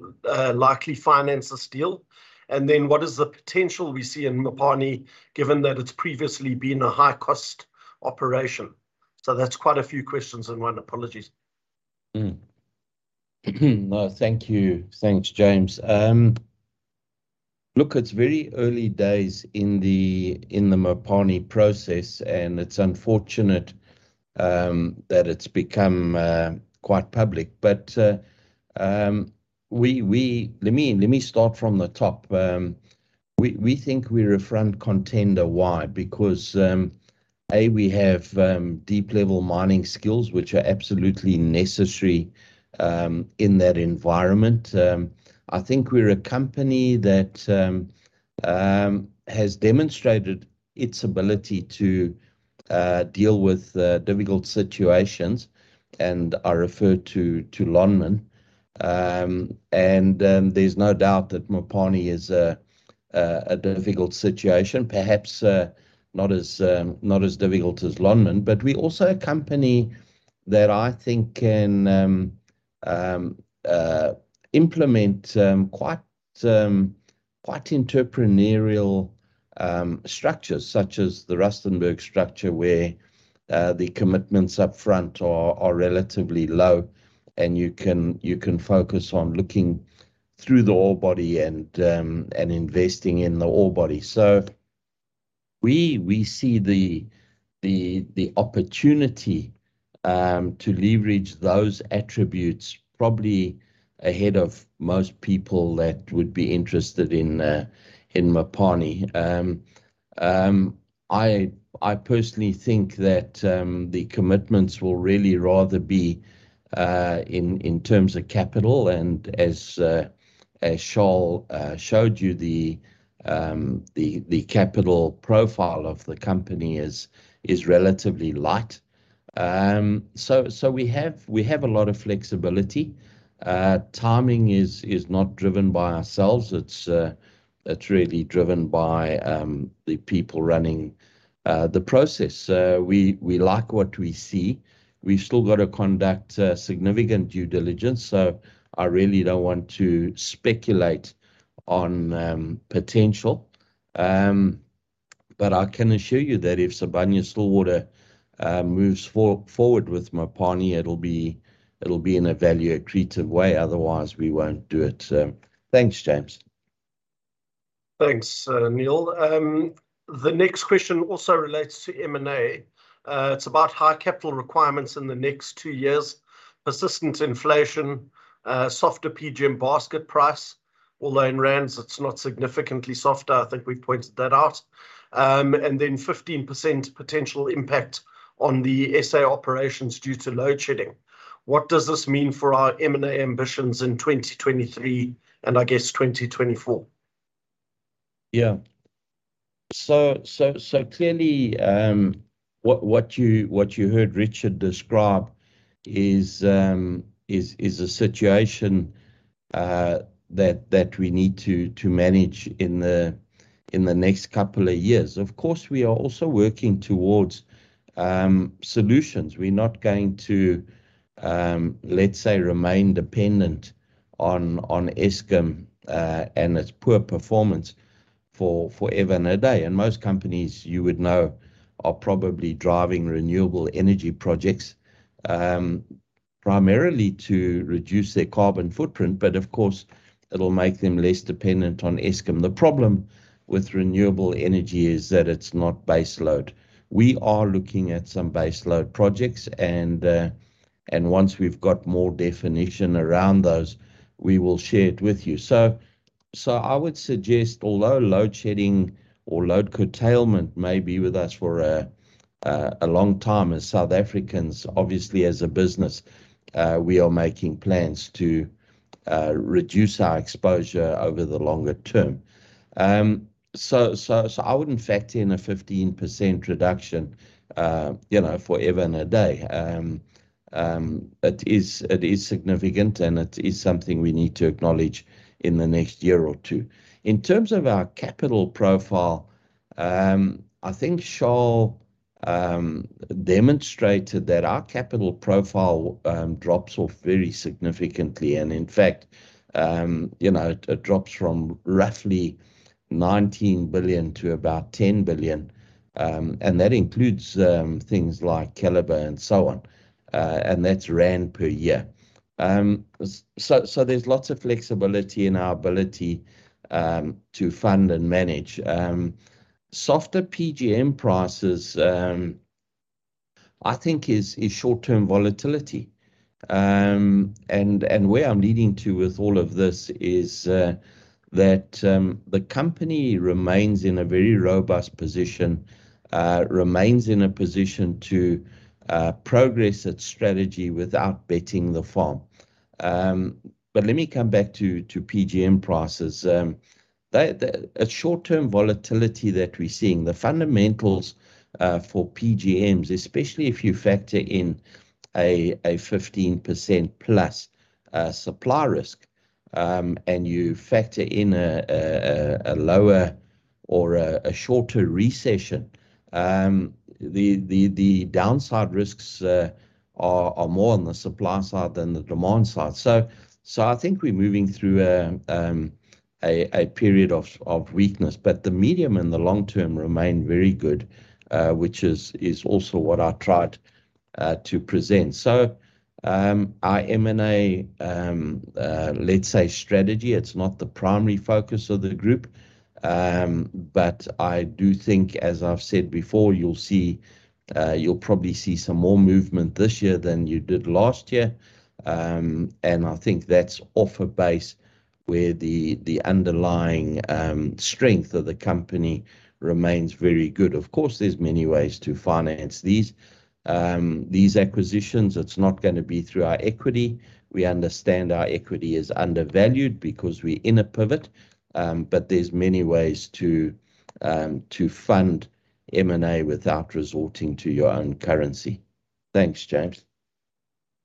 likely finance this deal? What is the potential we see in Mopani given that it's previously been a high-cost operation? That's quite a few questions in one. Apologies. No, thank you. Thanks, James. Look, it's very early days in the Mopani process, and it's unfortunate that it's become quite public. Let me start from the top. We think we're a front contender. Why? Because, A, we have deep level mining skills which are absolutely necessary in that environment. I think we're a company that has demonstrated its ability to deal with difficult situations and I refer to Lonmin. There's no doubt that Mopani is a difficult situation. Perhaps not as difficult as Lonmin. We're also a company that I think can implement quite entrepreneurial structures, such as the Rustenburg structure where the commitments up front are relatively low and you can focus on looking through the ore body and investing in the ore body. We see the opportunity to leverage those attributes probably ahead of most people that would be interested in Mopani. I personally think that the commitments will really rather be in terms of capital and as Charles showed you the capital profile of the company is relatively light. We have a lot of flexibility. Timing is not driven by ourselves. It's really driven by the people running the process. We like what we see. We've still got to conduct significant due diligence, so I really don't want to speculate on potential. I can assure you that if Sibanye-Stillwater moves forward with Mopani, it'll be in a value accretive way, otherwise we won't do it. Thanks, James. Thanks, Neal. The next question also relates to M&A. It's about high capital requirements in the next two years, persistent inflation, softer PGM basket price, although in rands it's not significantly softer, I think we've pointed that out. 15% potential impact on the SA operations due to load shedding. What does this mean for our M&A ambitions in 2023 and I guess 2024? Clearly, what you heard Richard describe is a situation that we need to manage in the next couple of years. Of course, we are also working towards solutions. We're not going to, let's say, remain dependent on Eskom and its poor performance for forever and a day. Most companies, you would know, are probably driving renewable energy projects primarily to reduce their carbon footprint, but of course it'll make them less dependent on Eskom. The problem with renewable energy is that it's not base load. We are looking at some base load projects and once we've got more definition around those, we will share it with you. I would suggest although load shedding or load curtailment may be with us for a long time as South Africans, obviously as a business, we are making plans to reduce our exposure over the longer term. I wouldn't factor in a 15% reduction, you know, forever and a day. It is significant and it is something we need to acknowledge in the next year or two. In terms of our capital profile, I think Charles demonstrated that our capital profile drops off very significantly. In fact, you know, it drops from roughly 19 billion to about 10 billion. That includes things like Keliber and so on. That's ZAR per year. There's lots of flexibility in our ability to fund and manage. Softer PGM prices, I think is short-term volatility. Where I'm leading to with all of this is that the company remains in a very robust position, remains in a position to progress its strategy without betting the farm. Let me come back to PGM prices. They, the, a short-term volatility that we're seeing, the fundamentals for PGMs, especially if you factor in a 15%+ supply risk, and you factor in a lower or a shorter recession, the downside risks are more on the supply side than the demand side. I think we're moving through a period of weakness. The medium and the long term remain very good, which is also what I tried to present. Our M&A, let's say strategy, it's not the primary focus of the group. I do think, as I've said before, you'll see, you'll probably see some more movement this year than you did last year. I think that's off a base where the underlying strength of the company remains very good. Of course, there's many ways to finance these. These acquisitions, it's not gonna be through our equity. We understand our equity is undervalued because we're in a pivot, but there's many ways to fund M&A without resorting to your own currency. Thanks, James.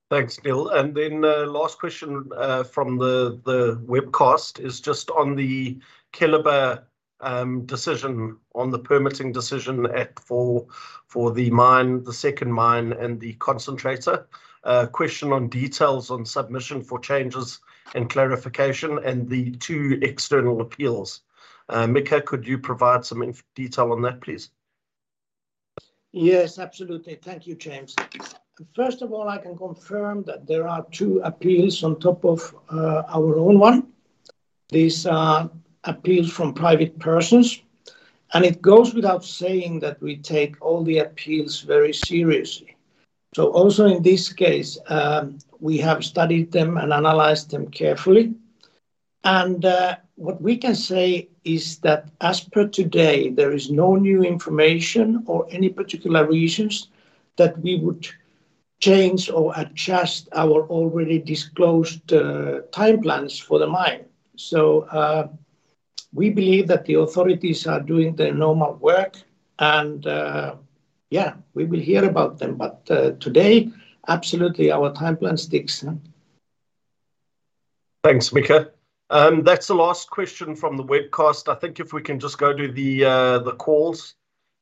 Thanks, Neal. Last question from the webcast is just on the Keliber decision on the permitting decision for the mine, the second mine and the concentrator. Question on details on submission for changes and clarification and the two external appeals. Mika, could you provide some in detail on that, please? Yes, absolutely. Thank you, James. First of all, I can confirm that there are two appeals on top of our own one. These are appeals from private persons. It goes without saying that we take all the appeals very seriously. Also in this case, we have studied them and analyzed them carefully. What we can say is that as per today, there is no new information or any particular reasons that we would change or adjust our already disclosed time plans for the mine. We believe that the authorities are doing their normal work and, yeah, we will hear about them. Today, absolutely our time plan sticks. Thanks, Mika. That's the last question from the webcast. I think if we can just go to the calls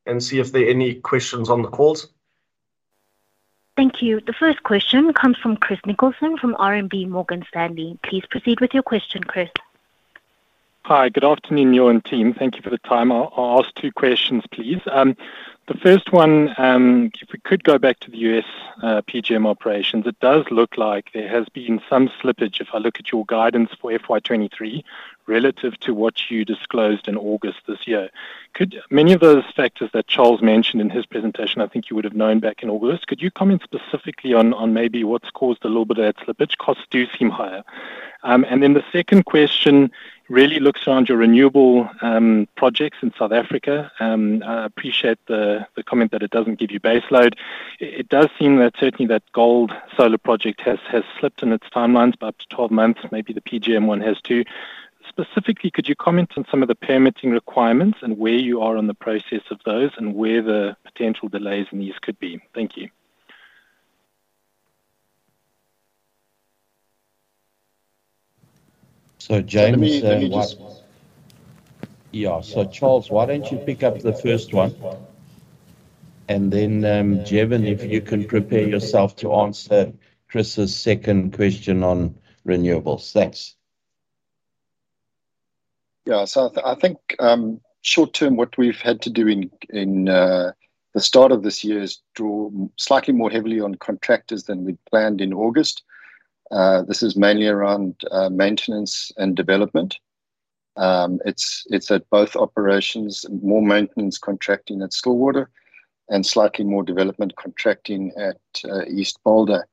and see if there are any questions on the calls. Thank you. The first question comes from Christopher Nicholson from RMB Morgan Stanley. Please proceed with your question, Chris. Hi. Good afternoon, Neal and team. Thank you for the time. I'll ask two questions, please. The first one, if we could go back to the U.S. PGM operations, it does look like there has been some slippage if I look at your guidance for FY 2023 relative to what you disclosed in August this year. Could many of those factors that Charles mentioned in his presentation, I think you would have known back in August. Could you comment specifically on maybe what's caused a little bit of that slippage? Costs do seem higher. Then the second question really looks around your renewable projects in South Africa. I appreciate the comment that it doesn't give you base load. It does seem that certainly that gold solar project has slipped in its timelines by up to 12 months, maybe the PGM one has too. Specifically, could you comment on some of the permitting requirements and where you are on the process of those and where the potential delays in these could be? Thank you. James. Let me just- Charles, why don't you pick up the first one, Jevon, if you can prepare yourself to answer Chris's second question on renewables. Thanks. Yeah. I think, short term, what we've had to do in the start of this year is draw slightly more heavily on contractors than we'd planned in August. This is mainly around maintenance and development. It's at both operations, more maintenance contracting at Stillwater and slightly more development contracting at East Boulder,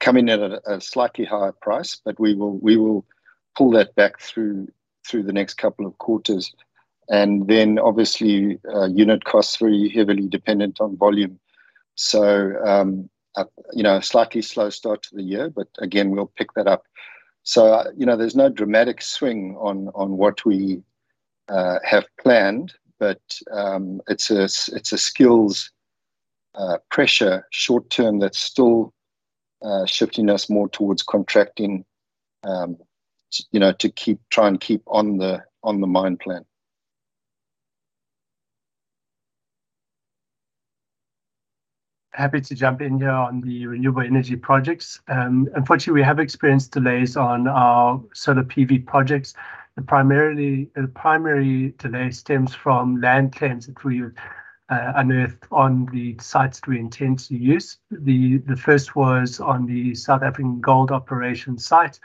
coming at a slightly higher price, but we will pull that back through the next couple of quarters. Obviously, unit cost is very heavily dependent on volume. You know, slightly slow start to the year, but again, we'll pick that up. you know, there's no dramatic swing on what we have planned, but it's a skills pressure short term that's still shifting us more towards contracting, you know, try and keep on the mine plan. Happy to jump in here on the renewable energy projects. Unfortunately, we have experienced delays on our solar PV projects. The primary delay stems from land claims that we unearthed on the sites we intend to use. The first was on the South African gold operation site.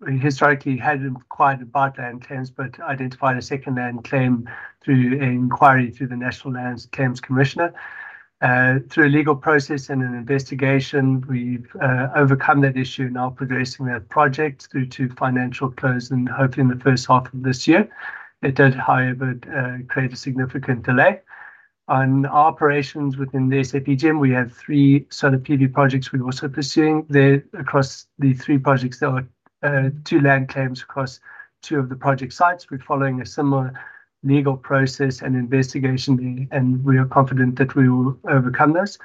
We'd historically hadn't inquired about land claims, but identified a second land claim through an inquiry through the National Lands Claims Commissioner. Through a legal process and an investigation, we've overcome that issue, now progressing that project through to financial close and hopefully in the first half of this year. It did, however, create a significant delay. On our operations within the SAPGM, we have three solar PV projects we're also pursuing. Across the three projects, there were two land claims across two of the project sites. We're following a similar legal process and investigation, and we are confident that we will overcome this.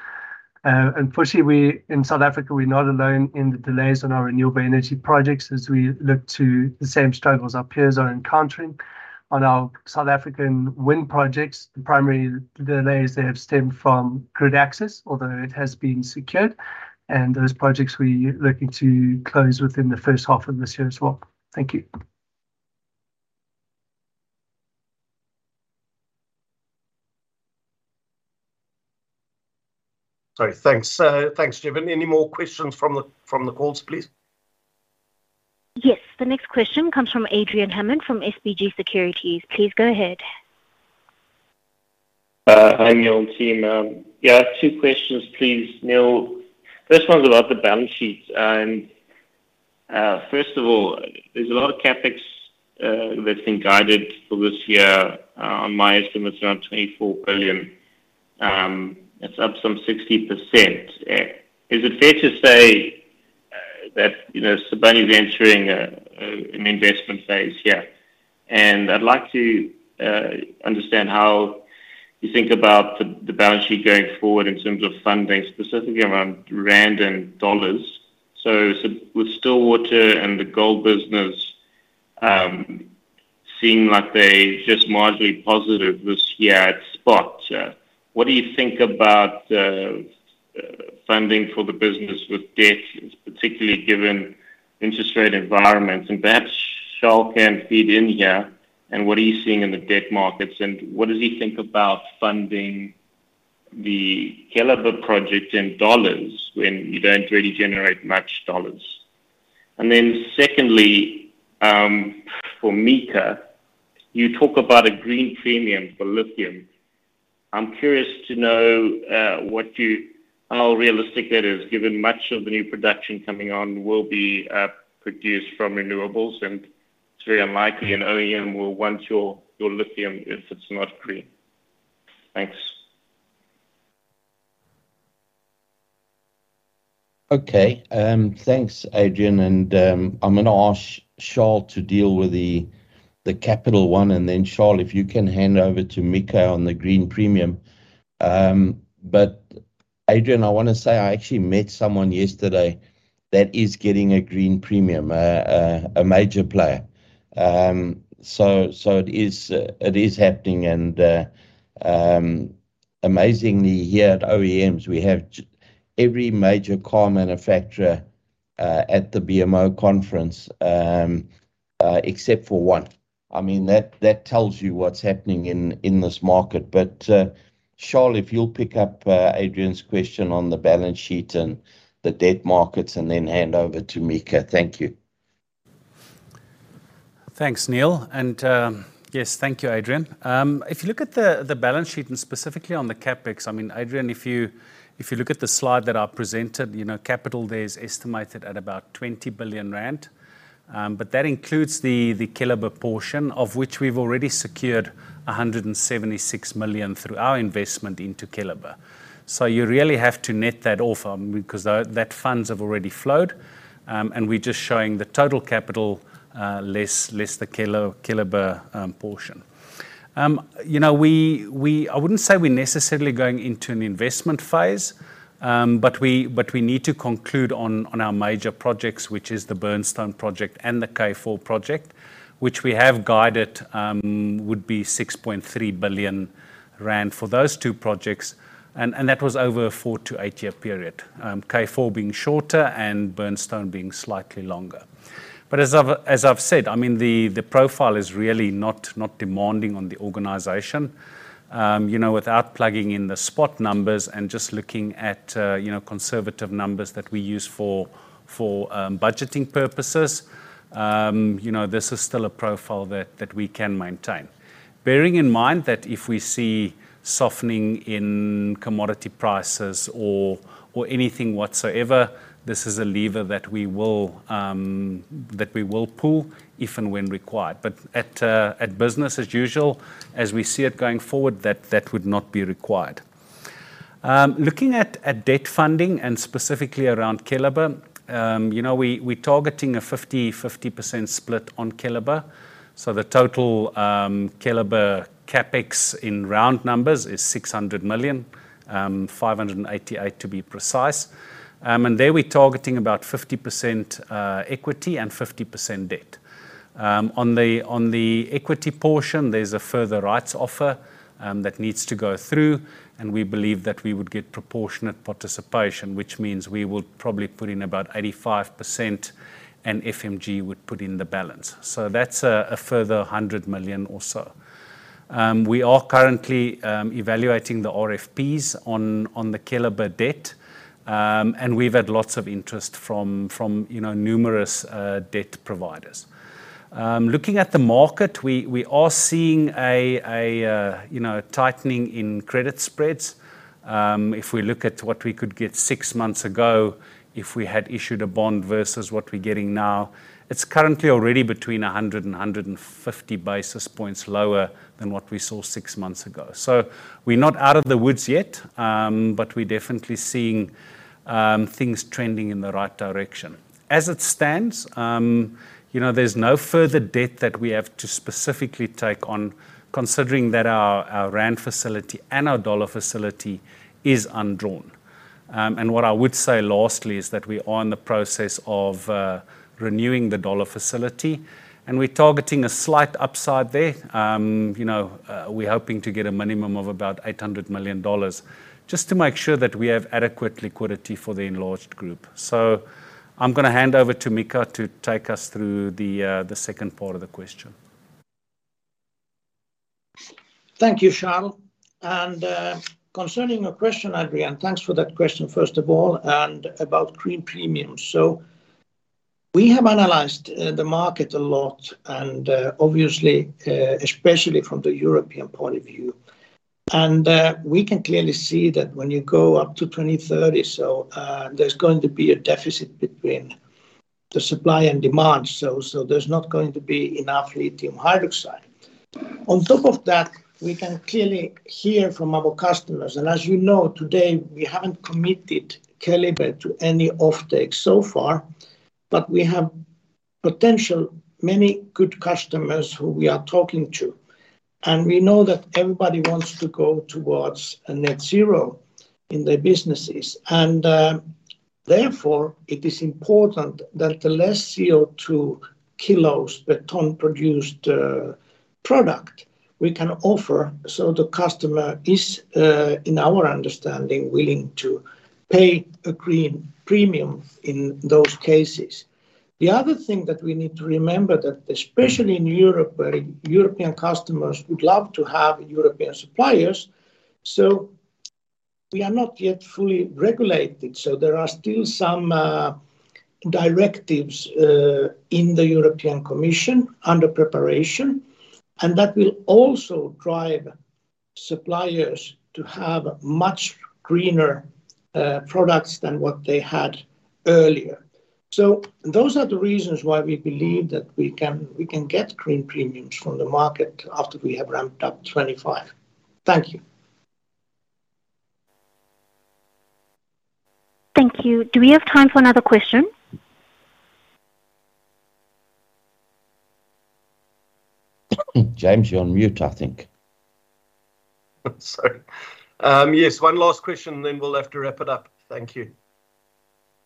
Unfortunately, we, in South Africa, we're not alone in the delays on our renewable energy projects as we look to the same struggles our peers are encountering. On our South African wind projects, the primary delays there have stemmed from grid access, although it has been secured. Those projects we're looking to close within the first half of this year as well. Thank you. Sorry. Thanks. Thanks, Jevon. Any more questions from the calls, please? Yes. The next question comes from Adrian Hammond from SBG Securities. Please go ahead. Hi, Neal and team. Two questions, please, Neal. First one's about the balance sheets. First of all, there's a lot of CapEx that's been guided for this year, on my estimate is around 24 billion. It's up some 60%. You know, Sibanye's entering an investment phase here. I'd like to understand how you think about the balance sheet going forward in terms of funding, specifically around rand and dollars. With Stillwater and the gold business, seem like they just marginally positive this year at spot. What do you think about funding for the business with debt, particularly given interest rate environments? Perhaps Charles can feed in here, what are you seeing in the debt markets, and what does he think about funding the Keliber project in dollars when you don't really generate much dollars? Secondly, for Mika, you talk about a green premium for lithium. I'm curious to know, how realistic that is, given much of the new production coming on will be produced from renewables, and it's very unlikely an OEM will want your lithium if it's not green. Thanks. Okay. Thanks, Adrian, I'm gonna ask Charles to deal with the capital one, and then Charles, if you can hand over to Mika on the green premium. Adrian, I wanna say I actually met someone yesterday that is getting a green premium, a major player. So it is happening amazingly here at OEMs, we have every major car manufacturer at the BMO conference, except for one. I mean, that tells you what's happening in this market. Charles, if you'll pick up Adrian's question on the balance sheet and the debt markets and then hand over to Mika. Thank you. Thanks, Neal. Yes, thank you, Adrian. If you look at the balance sheet and specifically on the CapEx, Adrian, if you look at the slide that I presented, you know, capital there is estimated at about 20 billion rand. That includes the Keliber portion, of which we've already secured 176 million through our investment into Keliber. You really have to net that off because that funds have already flowed, and we're just showing the total capital less the Keliber portion. You know, I wouldn't say we're necessarily going into an investment phase, but we need to conclude on our major projects, which is the Burnstone project and the K4 project, which we have guided would be 6.3 billion rand for those two projects and that was over a 4-8 year period. K4 being shorter and Burnstone being slightly longer. As I've said, I mean, the profile is really not demanding on the organization. You know, without plugging in the spot numbers and just looking at, you know, conservative numbers that we use for budgeting purposes, you know, this is still a profile that we can maintain. Bearing in mind that if we see softening in commodity prices or anything whatsoever, this is a lever that we will pull if and when required. At business as usual, as we see it going forward, that would not be required. Looking at debt funding and specifically around Keliber, you know, we're targeting a 50-50% split on Keliber. The total Keliber CapEx in round numbers is 600 million, 588 million to be precise. There we're targeting about 50% equity and 50% debt. On the equity portion, there's a further rights offer that needs to go through, we believe that we would get proportionate participation, which means we would probably put in about 85% and FMG would put in the balance. That's a further 100 million or so. We are currently evaluating the RFPs on the Keliber debt, we've had lots of interest from, you know, numerous debt providers. Looking at the market, we are seeing a, you know, tightening in credit spreads. If we look at what we could get six months ago if we had issued a bond versus what we're getting now, it's currently already between 100 and 150 basis points lower than what we saw six months ago. We're not out of the woods yet, but we're definitely seeing things trending in the right direction. As it stands, you know, there's no further debt that we have to specifically take on considering that our ZAR facility and our dollar facility is undrawn. And what I would say lastly is that we are in the process of renewing the dollar facility, and we're targeting a slight upside there. You know, we're hoping to get a minimum of about $800 million just to make sure that we have adequate liquidity for the enlarged group. I'm gonna hand over to Mika to take us through the second part of the question. Thank you, Charles. Concerning your question, Adrian, thanks for that question first of all, and about green premium. We have analyzed, the market a lot and, obviously, especially from the European point of view. We can clearly see that when you go up to 2030, so, there's going to be a deficit between The supply and demand. There's not going to be enough lithium hydroxide. On top of that, we can clearly hear from our customers. As you know, today, we haven't committed Keliber to any offtake so far. We have potential many good customers who we are talking to. We know that everybody wants to go towards a net zero in their businesses. Therefore, it is important that the less CO2 kilos per ton produced product we can offer so the customer is, in our understanding, willing to pay a green premium in those cases. The other thing that we need to remember that, especially in Europe, where European customers would love to have European suppliers, we are not yet fully regulated, there are still some directives in the European Commission under preparation, that will also drive suppliers to have much greener products than what they had earlier. Those are the reasons why we believe that we can get green premiums from the market after we have ramped up 2025. Thank you. Thank you. Do we have time for another question? James, you're on mute, I think. Sorry. Yes, one last question, and then we'll have to wrap it up. Thank you.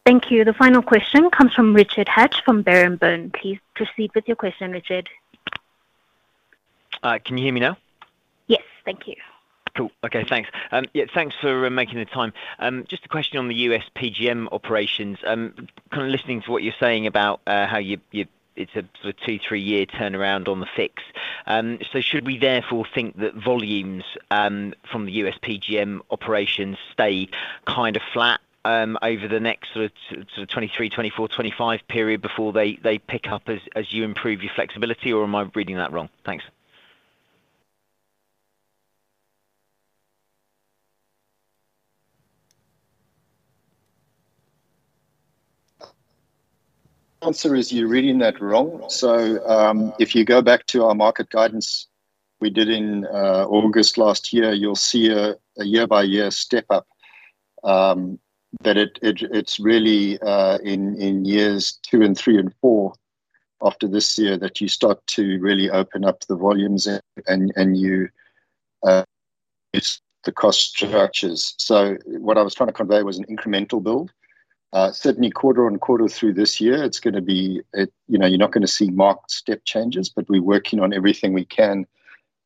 Thank you. The final question comes from Richard Hatch from Berenberg. Please proceed with your question, Richard. Can you hear me now? Yes. Thank you. Cool. Okay, thanks. Yeah, thanks for making the time. Just a question on the US PGM operations. Kind of listening to what you're saying about how it's a 2-3 year turnaround on the fix. Should we therefore think that volumes from the US PGM operations stay kind of flat over the next 2023, 2024, 2025 period before they pick up as you improve your flexibility, or am I reading that wrong? Thanks. Answer is you're reading that wrong. If you go back to our market guidance we did in August last year, you'll see a year-by-year step up that it's really in years two and three and four after this year that you start to really open up the volumes and you the cost structures. What I was trying to convey was an incremental build. Certainly quarter and quarter through this year, it's gonna be. You know, you're not gonna see marked step changes, but we're working on everything we can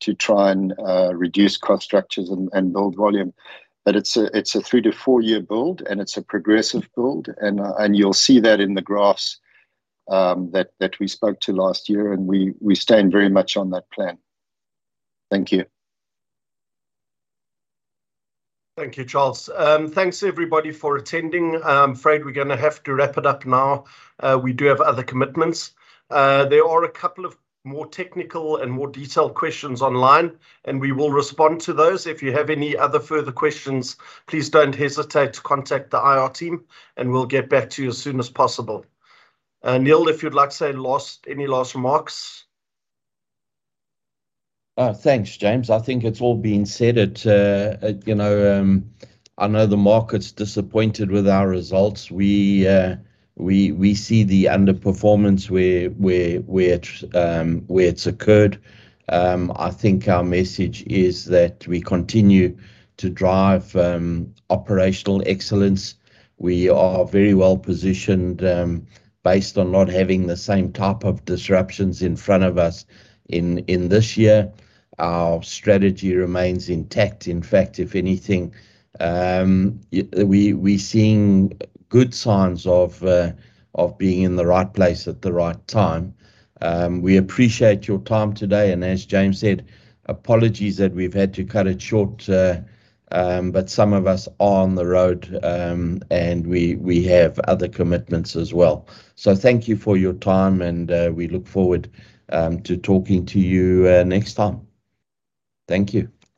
to try and reduce cost structures and build volume. it's a 3-to-4-year build, and it's a progressive build, and you'll see that in the graphs that we spoke to last year, and we stand very much on that plan. Thank you. Thank you, Charles. Thanks everybody for attending. I'm afraid we're gonna have to wrap it up now. We do have other commitments. There are a couple of more technical and more detailed questions online, and we will respond to those. If you have any other further questions, please don't hesitate to contact the IR team, and we'll get back to you as soon as possible. Neal, if you'd like to say any last remarks. Thanks, James. I think it's all been said. You know, I know the market's disappointed with our results. We see the underperformance where it's occurred. I think our message is that we continue to drive operational excellence. We are very well-positioned based on not having the same type of disruptions in front of us in this year. Our strategy remains intact. In fact, if anything, we're seeing good signs of being in the right place at the right time. We appreciate your time today, and as James said, apologies that we've had to cut it short, but some of us are on the road, and we have other commitments as well. Thank you for your time, and we look forward to talking to you next time. Thank you.